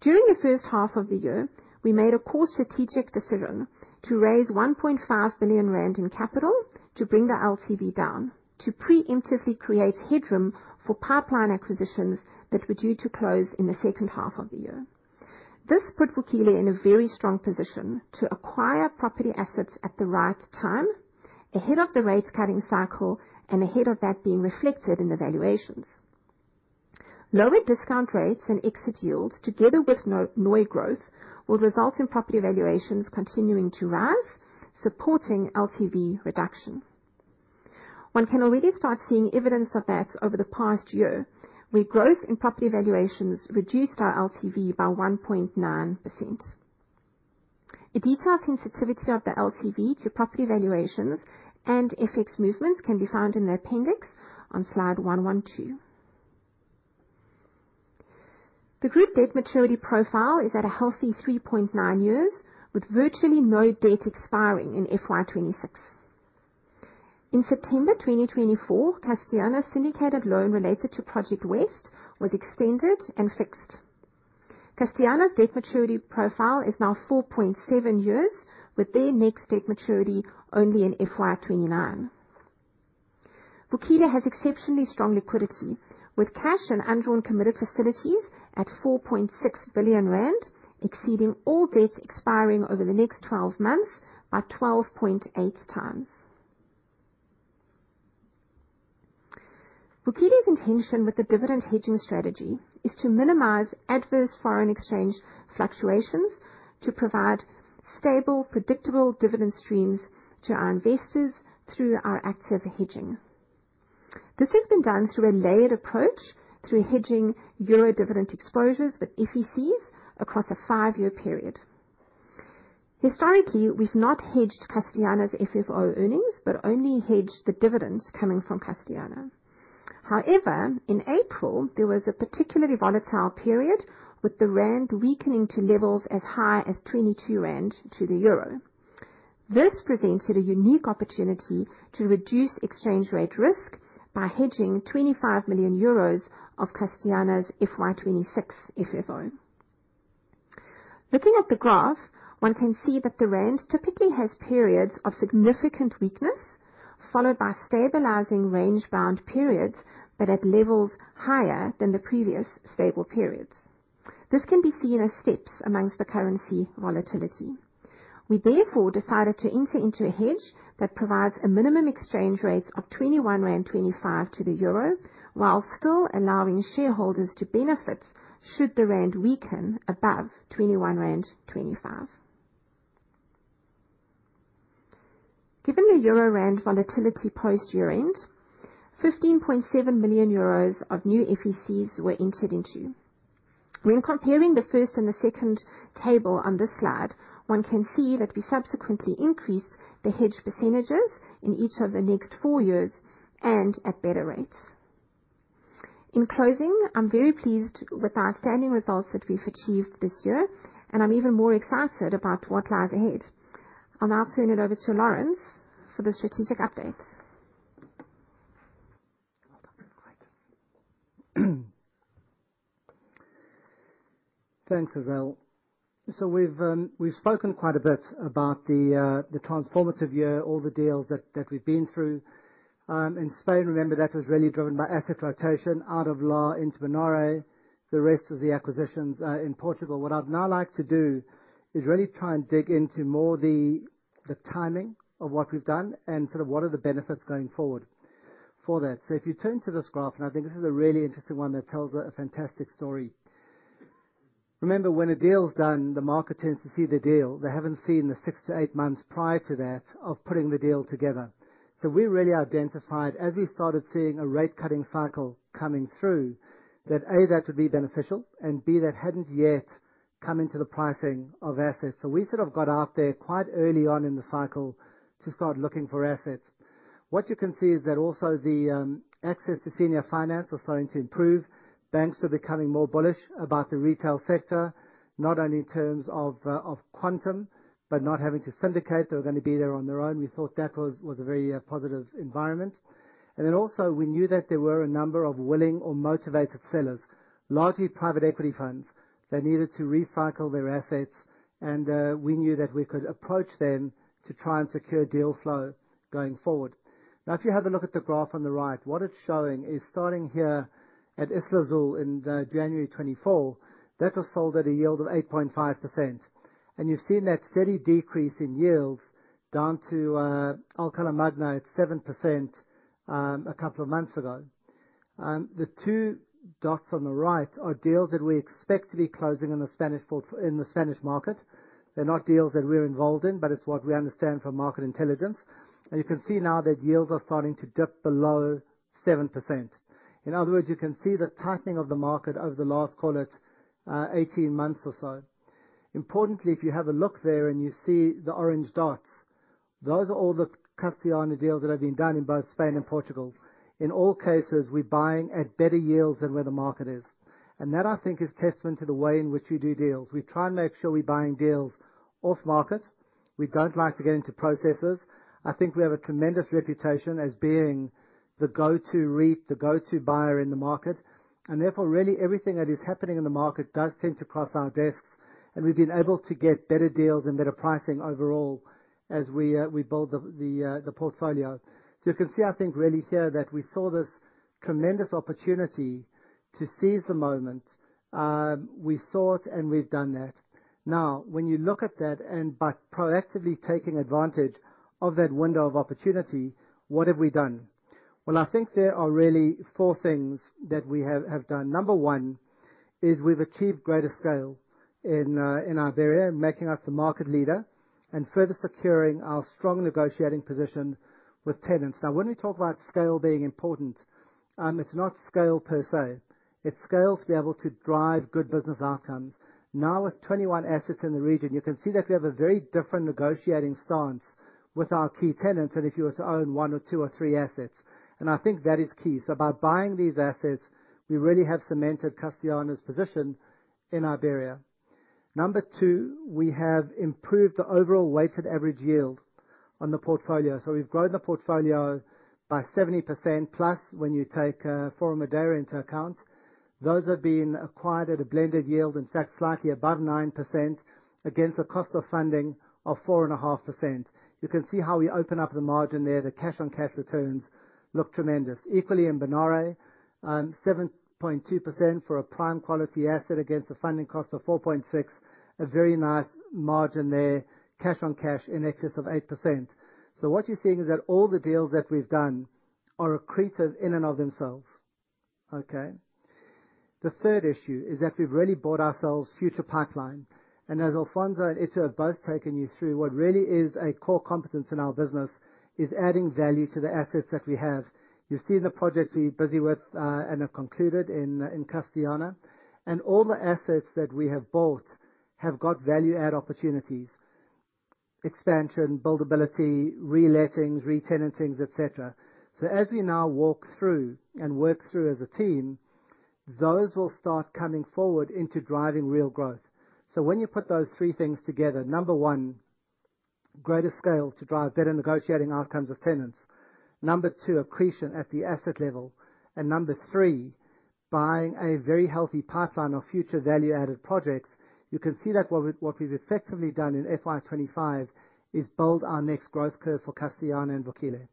D: During the first half of the year, we made a core strategic decision to raise 1.5 billion rand in capital to bring the LTV down, to preemptively create headroom for pipeline acquisitions that were due to close in the second half of the year. This put Vukile in a very strong position to acquire property assets at the right time, ahead of the rate-cutting cycle and ahead of that being reflected in the valuations. Lower discount rates and exit yields together with no-NOI growth, will result in property valuations continuing to rise, supporting LTV reduction. One can already start seeing evidence of that over the past year, where growth in property valuations reduced our LTV by 1.9%. A detailed sensitivity of the LTV to property valuations and FX movements can be found in the appendix on slide 112. The group debt maturity profile is at a healthy 3.9 years, with virtually no debt expiring in FY 2026. In September 2024, Castellana's syndicated loan related to Project West was extended and fixed. Castellana's debt maturity profile is now 4.7 years, with their next debt maturity only in FY 2029. Vukile has exceptionally strong liquidity, with cash and undrawn committed facilities at 4.6 billion rand, exceeding all debts expiring over the next 12 months by 12.8 times. Vukile's intention with the dividend hedging strategy is to minimize adverse foreign exchange fluctuations to provide stable, predictable dividend streams to our investors through our active hedging. This has been done through a layered approach, through hedging EUR dividend exposures with FECs across a 5-year period. Historically, we've not hedged Castellana's FFO earnings, but only hedged the dividends coming from Castellana. In April, there was a particularly volatile period, with the rand weakening to levels as high as 22 rand to the EUR. This presented a unique opportunity to reduce exchange rate risk by hedging 25 million euros of Castellana's FY 2026 FFO. Looking at the graph, one can see that the rand typically has periods of significant weakness, followed by stabilizing range-bound periods, but at levels higher than the previous stable periods. This can be seen as steps amongst the currency volatility. We therefore decided to enter into a hedge that provides a minimum exchange rate of 21.25 rand to the EUR, while still allowing shareholders to benefit should the rand weaken above 21.25 rand. Given the EUR/ZAR volatility post year-end, 15.7 million euros of new FECs were entered into. When comparing the first and the second table on this slide, one can see that we subsequently increased the hedge % in each of the next four years and at better rates. In closing, I'm very pleased with the outstanding results that we've achieved this year, and I'm even more excited about what lies ahead. I'll now turn it over to Laurence for the strategic updates.
A: Well done. Great. Thanks, Lizelle. We've spoken quite a bit about the transformative year, all the deals that we've been through. In Spain, remember that was really driven by asset rotation out of Lar España into Menora, the rest of the acquisitions in Portugal. What I'd now like to do is really try and dig into more the timing of what we've done and sort of what are the benefits going forward for that. If you turn to this graph, and I think this is a really interesting one that tells a fantastic story. Remember, when a deal is done, the market tends to see the deal. They haven't seen the six to eight months prior to that of putting the deal together. We really identified, as we started seeing a rate cutting cycle coming through, that, A, that would be beneficial, and B, that hadn't yet come into the pricing of assets. We sort of got out there quite early on in the cycle to start looking for assets. What you can see is that also the access to senior finance was starting to improve. Banks were becoming more bullish about the retail sector, not only in terms of quantum, but not having to syndicate. They were gonna be there on their own. We thought that was a very positive environment. Then also we knew that there were a number of willing or motivated sellers, largely private equity funds, that needed to recycle their assets, and we knew that we could approach them to try and secure deal flow going forward. Now, if you have a look at the graph on the right, what it's showing is starting here at Isla Azul in January 2024, that was sold at a yield of 8.5%. You've seen that steady decrease in yields down to Alcalá Magna now at 7%, a couple of months ago. The two dots on the right are deals that we expect to be closing in the Spanish market. They're not deals that we're involved in, but it's what we understand from market intelligence. You can see now that yields are starting to dip below 7%. In other words, you can see the tightening of the market over the last, call it, 18 months or so. Importantly, if you have a look there and you see the orange dots, those are all the Castellana deals that have been done in both Spain and Portugal. In all cases, we're buying at better yields than where the market is. That, I think, is testament to the way in which we do deals. We try and make sure we're buying deals off-market. We don't like to get into processes. I think we have a tremendous reputation as being the go-to REIT, the go-to buyer in the market. Therefore, really everything that is happening in the market does seem to cross our desks, and we've been able to get better deals and better pricing overall as we build up the portfolio. You can see, I think, really here that we saw this tremendous opportunity to seize the moment. We saw it, we've done that. When you look at that by proactively taking advantage of that window of opportunity, what have we done? I think there are really four things that we have done. Number one is we've achieved greater scale in Iberia, making us the market leader and further securing our strong negotiating position with tenants. When we talk about scale being important, it's not scale per se. It's scale to be able to drive good business outcomes. With 21 assets in the region, you can see that we have a very different negotiating stance with our key tenants than if you were to own one or two or three assets. I think that is key. By buying these assets, we really have cemented Castellana's position in Iberia. Number two, we have improved the overall weighted average yield on the portfolio. We've grown the portfolio by 70%+ when you take Forum Madeira into account. Those have been acquired at a blended yield, in fact, slightly above 9% against the cost of funding of 4.5%. You can see how we open up the margin there. The cash-on-cash returns look tremendous. Equally in Benahavís, 7.2% for a prime quality asset against the funding cost of 4.6%, a very nice margin there, cash-on-cash in excess of 8%. What you're seeing is that all the deals that we've done are accretive in and of themselves. Okay. The third issue is that we've really bought ourselves future pipeline. As Alfonso and Itu have both taken you through, what really is a core competence in our business is adding value to the assets that we have. You've seen the projects we're busy with and have concluded in Castellana. All the assets that we have bought have got value-added opportunities: expansion, buildability, relettings, retenantings, et cetera. As we now walk through and work through as a team, those will start coming forward into driving real growth. When you put those three things together, Number one, greater scale to drive better negotiating outcomes with tenants. Number two, accretion at the asset level. Number three, buying a very healthy pipeline of future value-added projects. You can see that what we've effectively done in FY 2025 is build our next growth curve for Castellana and Vukile.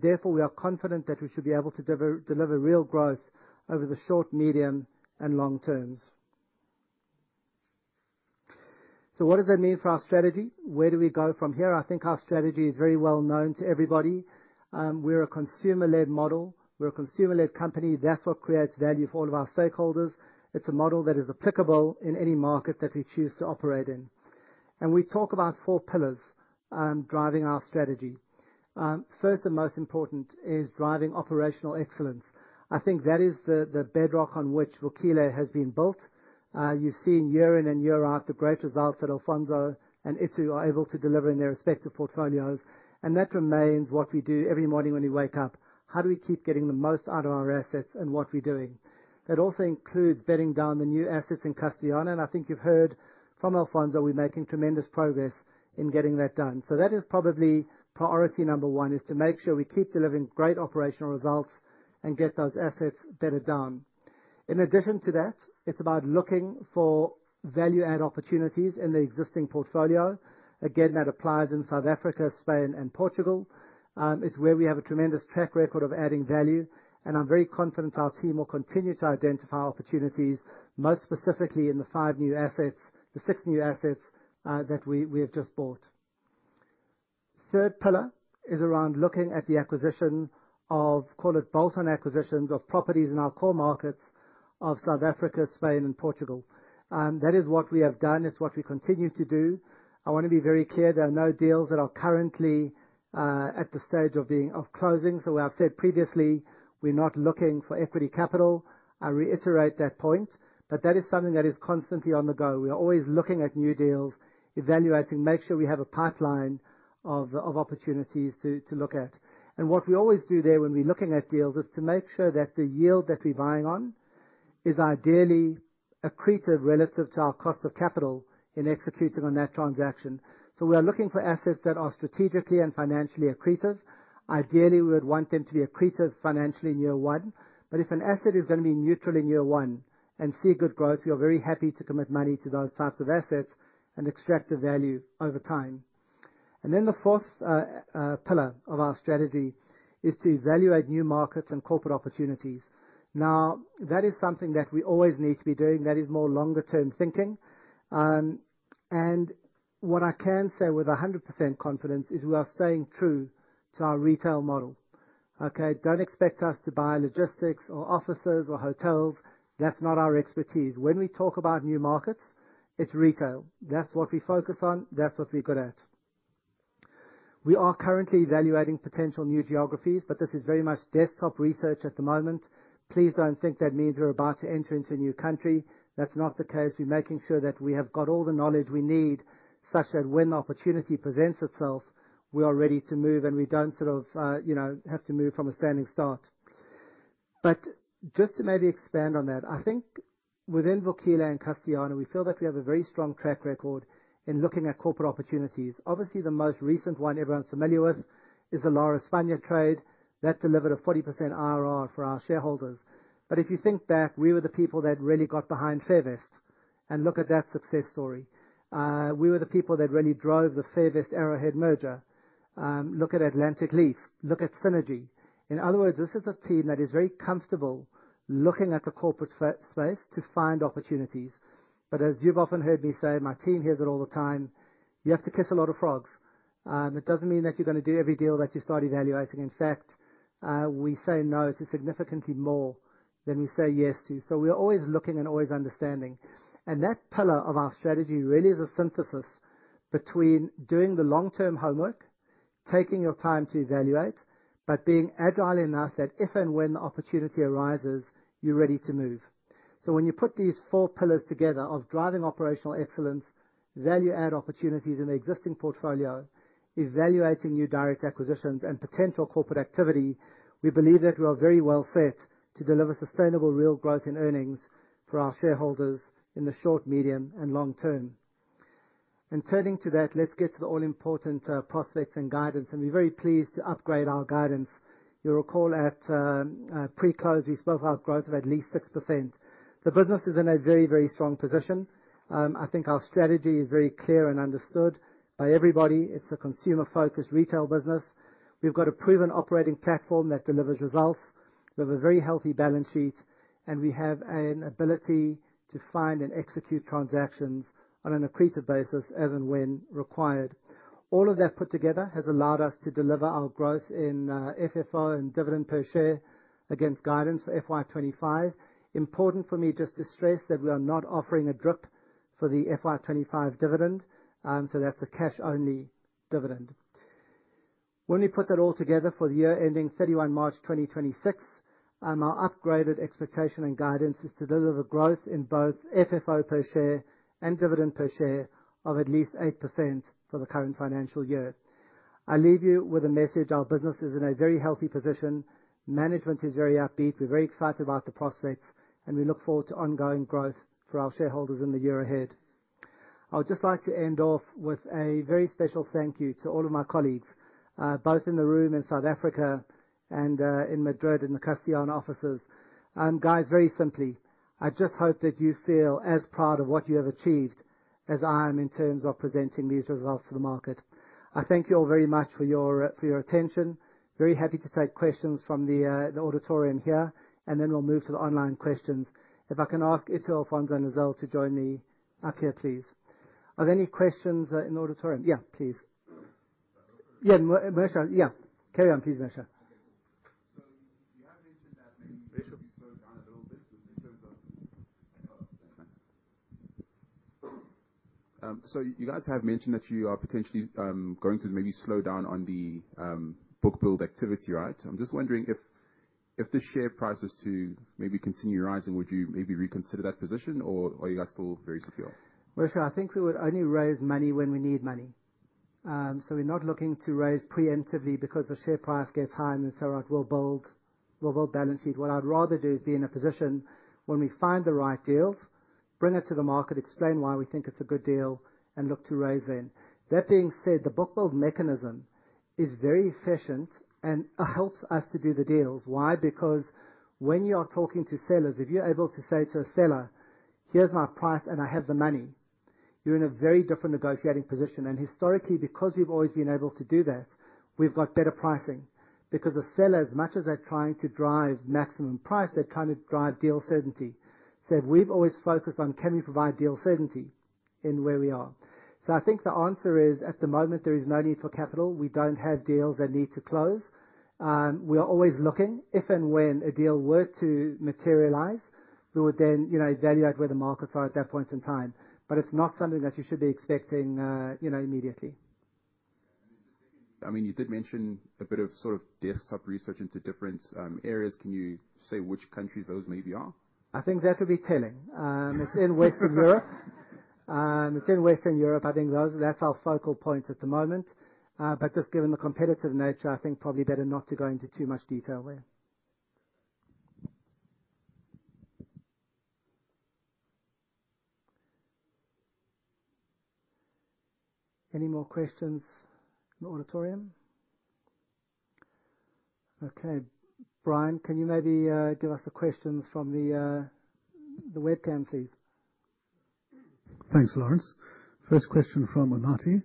A: Therefore, we are confident that we should be able to deliver real growth over the short, medium, and long terms. What does that mean for our strategy? Where do we go from here? I think our strategy is very well known to everybody. We're a consumer-led model. We're a consumer-led company. That's what creates value for all of our stakeholders. It's a model that is applicable in any market that we choose to operate in. We talk about four pillars driving our strategy. First and most important is driving operational excellence. I think that is the bedrock on which Vukile has been built. You've seen year in and year out the great results that Alfonso and Itu are able to deliver in their respective portfolios. That remains what we do every morning when we wake up. How do we keep getting the most out of our assets and what we're doing? That also includes bedding down the new assets in Castellana, and I think you've heard from Alfonso, we're making tremendous progress in getting that done. That is probably priority number one, is to make sure we keep delivering great operational results and get those assets bedded down. In addition to that, it's about looking for value add opportunities in the existing portfolio. Again, that applies in South Africa, Spain, and Portugal. It's where we have a tremendous track record of adding value, and I'm very confident our team will continue to identify opportunities, most specifically in the five new assets, the six new assets, that we have just bought. Third pillar is around looking at the acquisition of, call it, bolt-on acquisitions of properties in our core markets of South Africa, Spain, and Portugal. That is what we have done. It's what we continue to do. I wanna be very clear, there are no deals that are currently at the stage of closing. As I've said previously, we're not looking for equity capital. I reiterate that point. That is something that is constantly on the go. We are always looking at new deals, evaluating, make sure we have a pipeline of opportunities to look at. What we always do there when we're looking at deals is to make sure that the yield that we're buying on is ideally accretive relative to our cost of capital in executing on that transaction. We are looking for assets that are strategically and financially accretive. Ideally, we would want them to be accretive financially in year one. If an asset is gonna be neutral in year one and see good growth, we are very happy to commit money to those types of assets and extract the value over time. The fourth pillar of our strategy is to evaluate new markets and corporate opportunities. That is something that we always need to be doing. That is more longer-term thinking. What I can say with 100% confidence is we are staying true to our retail model. Okay? Don't expect us to buy logistics or offices or hotels. That's not our expertise. When we talk about new markets, it's retail. That's what we focus on. That's what we're good at. We are currently evaluating potential new geographies, this is very much desktop research at the moment. Please don't think that means we're about to enter into a new country. That's not the case. We're making sure that we have got all the knowledge we need such that when the opportunity presents itself, we are ready to move and we don't sort of, you know, have to move from a standing start. Just to maybe expand on that, I think within Vukile and Castellana, we feel that we have a very strong track record in looking at corporate opportunities. Obviously, the most recent one everyone's familiar with is the Lar España trade. That delivered a 40% IRR for our shareholders. If you think back, we were the people that really got behind Fairvest and look at that success story. We were the people that really drove the Fairvest/Arrowhead merger. Look at Atlantic Leaf. Look at Synergy. In other words, this is a team that is very comfortable looking at the corporate space to find opportunities. As you've often heard me say, my team hears it all the time, you have to kiss a lot of frogs. It doesn't mean that you're gonna do every deal that you start evaluating. In fact, we say no to significantly more than we say yes to. We are always looking and always understanding. That pillar of our strategy really is a synthesis between doing the long-term homework, taking your time to evaluate, but being agile enough that if and when the opportunity arises, you're ready to move. When you put these four pillars together of driving operational excellence, value add opportunities in the existing portfolio, evaluating new direct acquisitions and potential corporate activity, we believe that we are very well set to deliver sustainable real growth in earnings for our shareholders in the short, medium, and long term. Turning to that, let's get to the all-important prospects and guidance, and we're very pleased to upgrade our guidance. You'll recall at pre-close, we spoke about growth of at least 6%. The business is in a very strong position. I think our strategy is very clear and understood by everybody. It's a consumer-focused retail business. We've got a proven operating platform that delivers results. We have a very healthy balance sheet, and we have an ability to find and execute transactions on an accretive basis as and when required. All of that put together has allowed us to deliver our growth in FFO and dividend per share against guidance for FY 2025. Important for me just to stress that we are not offering a drip for the FY 2025 dividend, so that's a cash-only dividend. When we put that all together for the year ending 31 March 2026, our upgraded expectation and guidance is to deliver growth in both FFO per share and dividend per share of at least 8% for the current financial year. I leave you with a message. Our business is in a very healthy position. Management is very upbeat. We're very excited about the prospects, and we look forward to ongoing growth for our shareholders in the year ahead. I would just like to end off with a very special thank you to all of my colleagues, both in the room in South Africa and in Madrid in the Castellana offices. Guys, very simply, I just hope that you feel as proud of what you have achieved as I am in terms of presenting these results to the market. I thank you all very much for your attention. Very happy to take questions from the auditorium here. Then we'll move to the online questions. If I can ask Itiel, Alfonso, and Razelle to join me up here, please. Are there any questions in auditorium? Please. Merchant. Carry on, please, Merchant.
E: You guys have mentioned that you are potentially going to maybe slow down on the book build activity, right? I'm just wondering if the share price is to maybe continue rising, would you maybe reconsider that position, or are you guys still very secure?
A: Merchant, I think we would only raise money when we need money. We're not looking to raise preemptively because the share price gets high and then say, "Well, we'll build balance sheet." What I'd rather do is be in a position when we find the right deals, bring it to the market, explain why we think it's a good deal, and look to raise then. That being said, the book build mechanism is very efficient and helps us to do the deals. Why? Because when you are talking to sellers, if you're able to say to a seller, "Here's my price and I have the money," you're in a very different negotiating position. Historically, because we've always been able to do that, we've got better pricing. Because the seller, as much as they're trying to drive maximum price, they're trying to drive deal certainty. We've always focused on can we provide deal certainty in where we are. I think the answer is, at the moment, there is no need for capital. We don't have deals that need to close. We are always looking. If and when a deal were to materialize, we would then, you know, evaluate where the markets are at that point in time. It's not something that you should be expecting, you know, immediately.
E: I mean, you did mention a bit of sort of desktop research into different areas. Can you say which countries those maybe are?
A: I think that would be telling. It's in Western Europe. It's in Western Europe. I think those... That's our focal point at the moment. Just given the competitive nature, I think probably better not to go into too much detail there. Any more questions in the auditorium? Brian, can you maybe give us the questions from the webcam, please?
F: Thanks, Laurence. First question from Unathi.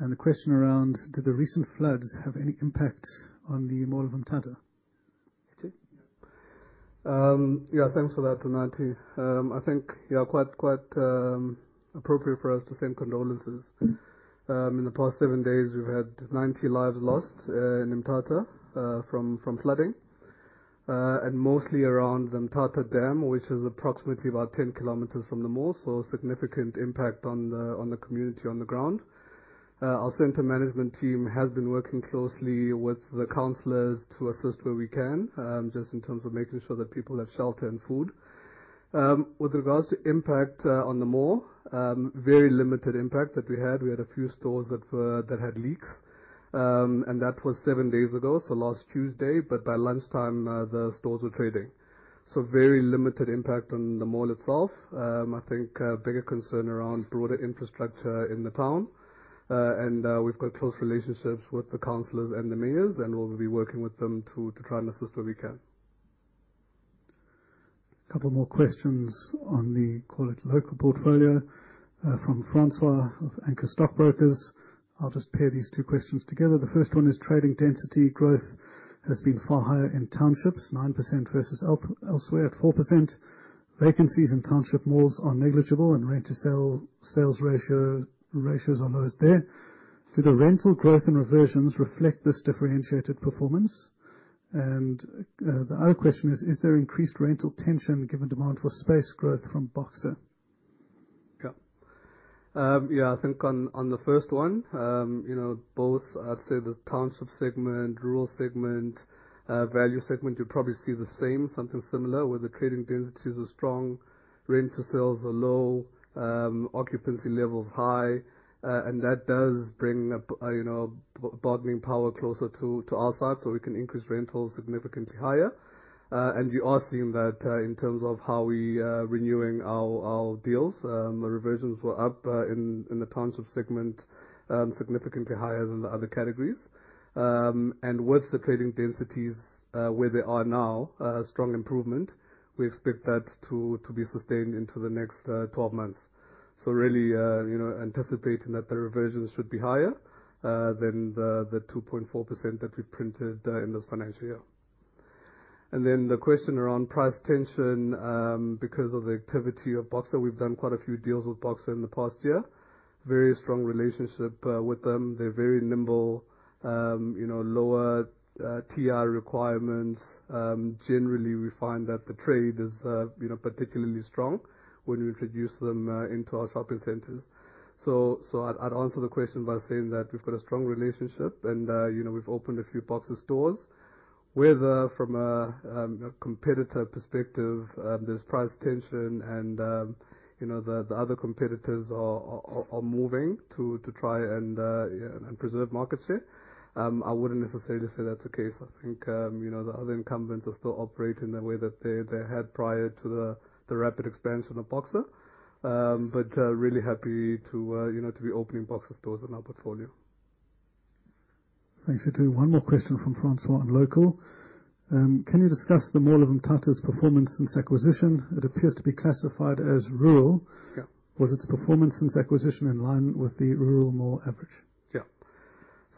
F: The question around: Did the recent floods have any impact on the Mall of Mthatha?
B: Yeah. Thanks for that, Unathi. I think yeah, quite appropriate for us to send condolences. In the past seven days, we've had 90 lives lost in Mthatha from flooding. Mostly around the Mthatha Dam, which is approximately about 10 kilometers from the mall. Significant impact on the community on the ground. Our center management team has been working closely with the counselors to assist where we can just in terms of making sure that people have shelter and food. With regards to impact on the mall, very limited impact that we had. We had a few stores that had leaks. That was seven days ago, so last Tuesday, but by lunchtime, the stores were trading. Very limited impact on the mall itself. I think a bigger concern around broader infrastructure in the town. We've got close relationships with the counselors and the mayors, and we'll be working with them to try and assist where we can.
F: A couple more questions on the, call it, local portfolio, from Francois of Anchor Stockbrokers. I'll just pair these two questions together. The first one is trading density growth has been far higher in townships, 9% versus elsewhere at 4%. Vacancies in township malls are negligible and rent-to-sale ratios are lowest there. Do the rental growth and reversions reflect this differentiated performance? The other question is: Is there increased rental tension given demand for space growth from Boxer?
B: Yeah. I think on the first one, you know, both, I'd say the township segment, rural segment, value segment, you probably see the same, something similar, where the trading densities are strong, rent-to-sales are low, occupancy level's high. That does bring a you know, bargaining power closer to our side, so we can increase rentals significantly higher. You are seeing that in terms of how we renewing our deals. The reversions were up in the township segment, significantly higher than the other categories. With the trading densities where they are now, strong improvement, we expect that to be sustained into the next 12 months. Really, you know, anticipating that the reversions should be higher than the 2.4% that we printed in this financial year. The question around price tension, because of the activity of Boxer. We've done quite a few deals with Boxer in the past year. Very strong relationship with them. They're very nimble. You know, lower TI requirements. Generally, we find that the trade is, you know, particularly strong when we introduce them into our shopping centers. I'd answer the question by saying that we've got a strong relationship and, you know, we've opened a few Boxer stores. Whether from a competitor perspective, there's price tension and, you know, the other competitors are moving to try and preserve market share, I wouldn't necessarily say that's the case. I think, you know, the other incumbents are still operating the way that they had prior to the rapid expansion of Boxer. Really happy to, you know, to be opening Boxer stores in our portfolio.
F: Thanks. One more question from Francois on local. Can you discuss the Mall of Mthatha's performance since acquisition? It appears to be classified as rural.
B: Yeah.
F: Was its performance since acquisition in line with the rural mall average?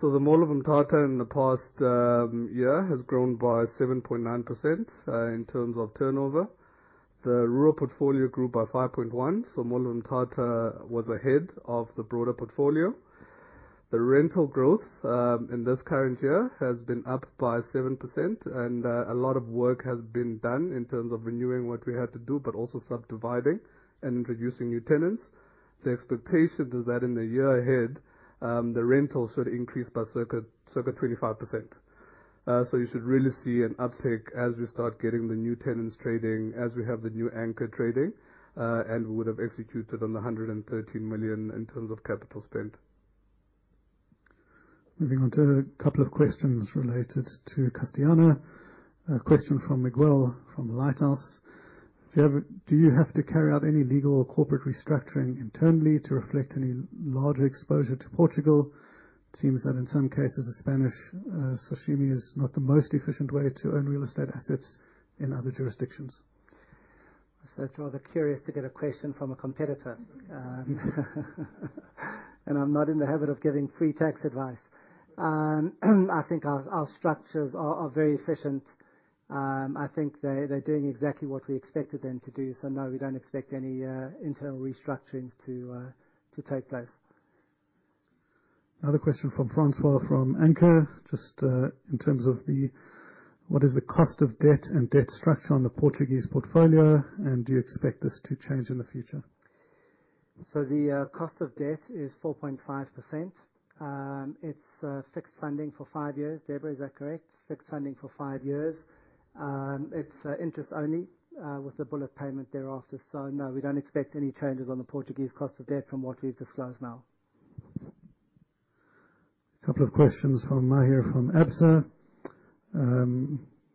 B: The Mall of Mthatha in the past year has grown by 7.9% in terms of turnover. The rural portfolio grew by 5.1%, so Mall of Mthatha was ahead of the broader portfolio. The rental growth in this current year has been up by 7%, and a lot of work has been done in terms of renewing what we had to do, but also subdividing and introducing new tenants. The expectation is that in the year ahead, the rentals should increase by circa 25%. You should really see an uptick as we start getting the new tenants trading, as we have the new anchor trading, and we would have executed on the 113 million in terms of capital spend.
F: Moving on to a couple of questions related to Castellana. A question from Miguel, from Lighthouse. Do you have to carry out any legal or corporate restructuring internally to reflect any larger exposure to Portugal? It seems that in some cases, a Spanish SOCIMI is not the most efficient way to own real estate assets in other jurisdictions.
A: It's rather curious to get a question from a competitor. I'm not in the habit of giving free tax advice. I think our structures are very efficient. I think they're doing exactly what we expected them to do. No, we don't expect any internal restructurings to take place.
F: Another question from Francois from Anchor. Just in terms of what is the cost of debt and debt structure on the Portuguese portfolio, and do you expect this to change in the future?
A: The cost of debt is 4.5%. It's fixed funding for five years. Debora, is that correct? Fixed funding for five years. It's interest only with the bullet payment thereafter. No, we don't expect any changes on the Portuguese cost of debt from what we've disclosed now.
F: A couple of questions from Maher from Absa.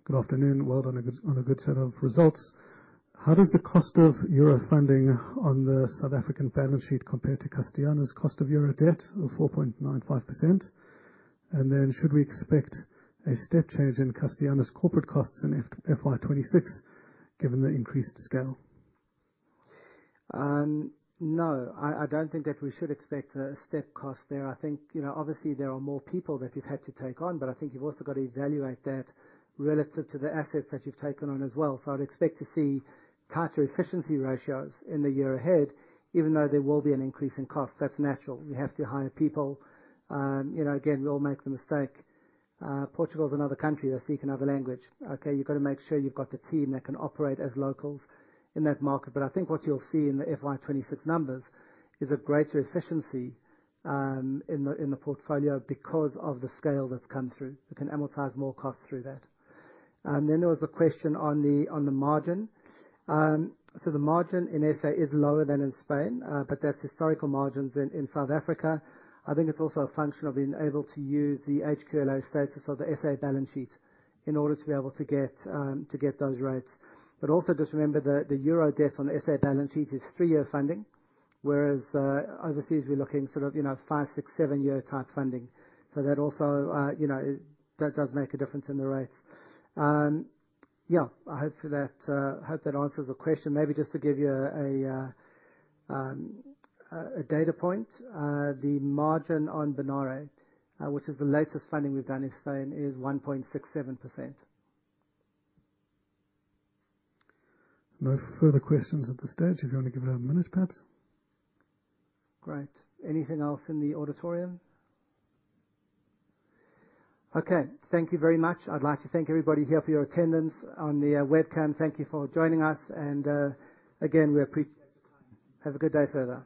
F: Good afternoon. Well done on a good set of results. How does the cost of euro funding on the South African balance sheet compare to Castellana's cost of euro debt of 4.95%? Should we expect a step change in Castellana's corporate costs in FY2026, given the increased scale?
A: No. I don't think that we should expect a step cost there. I think, you know, obviously there are more people that we've had to take on. I think you've also got to evaluate that relative to the assets that you've taken on as well. I'd expect to see tighter efficiency ratios in the year ahead, even though there will be an increase in cost. That's natural. We have to hire people. You know, again, we all make the mistake. Portugal is another country. They speak another language. Okay. You've got to make sure you've got the team that can operate as locals in that market. I think what you'll see in the FY2026 numbers is a greater efficiency in the portfolio because of the scale that's come through. We can amortize more costs through that. There was a question on the margin. The margin in SA is lower than in Spain, but that's historical margins in South Africa. I think it's also a function of being able to use the HQLA status of the SA balance sheet in order to be able to get to get those rates. Also just remember the euro debt on the SA balance sheet is three-year funding, whereas overseas we're looking sort of, you know, five, six, seven-year type funding. That also, you know, that does make a difference in the rates. Yeah, I hope that answers the question. Maybe just to give you a data point, the margin on Bonaire, which is the latest funding we've done in Spain, is 1.67%.
F: No further questions at this stage. If you wanna give it a minute, perhaps.
A: Great. Anything else in the auditorium? Okay, thank you very much. I'd like to thank everybody here for your attendance. On the webcam, thank you for joining us. Again, we appreciate the time. Have a good day further.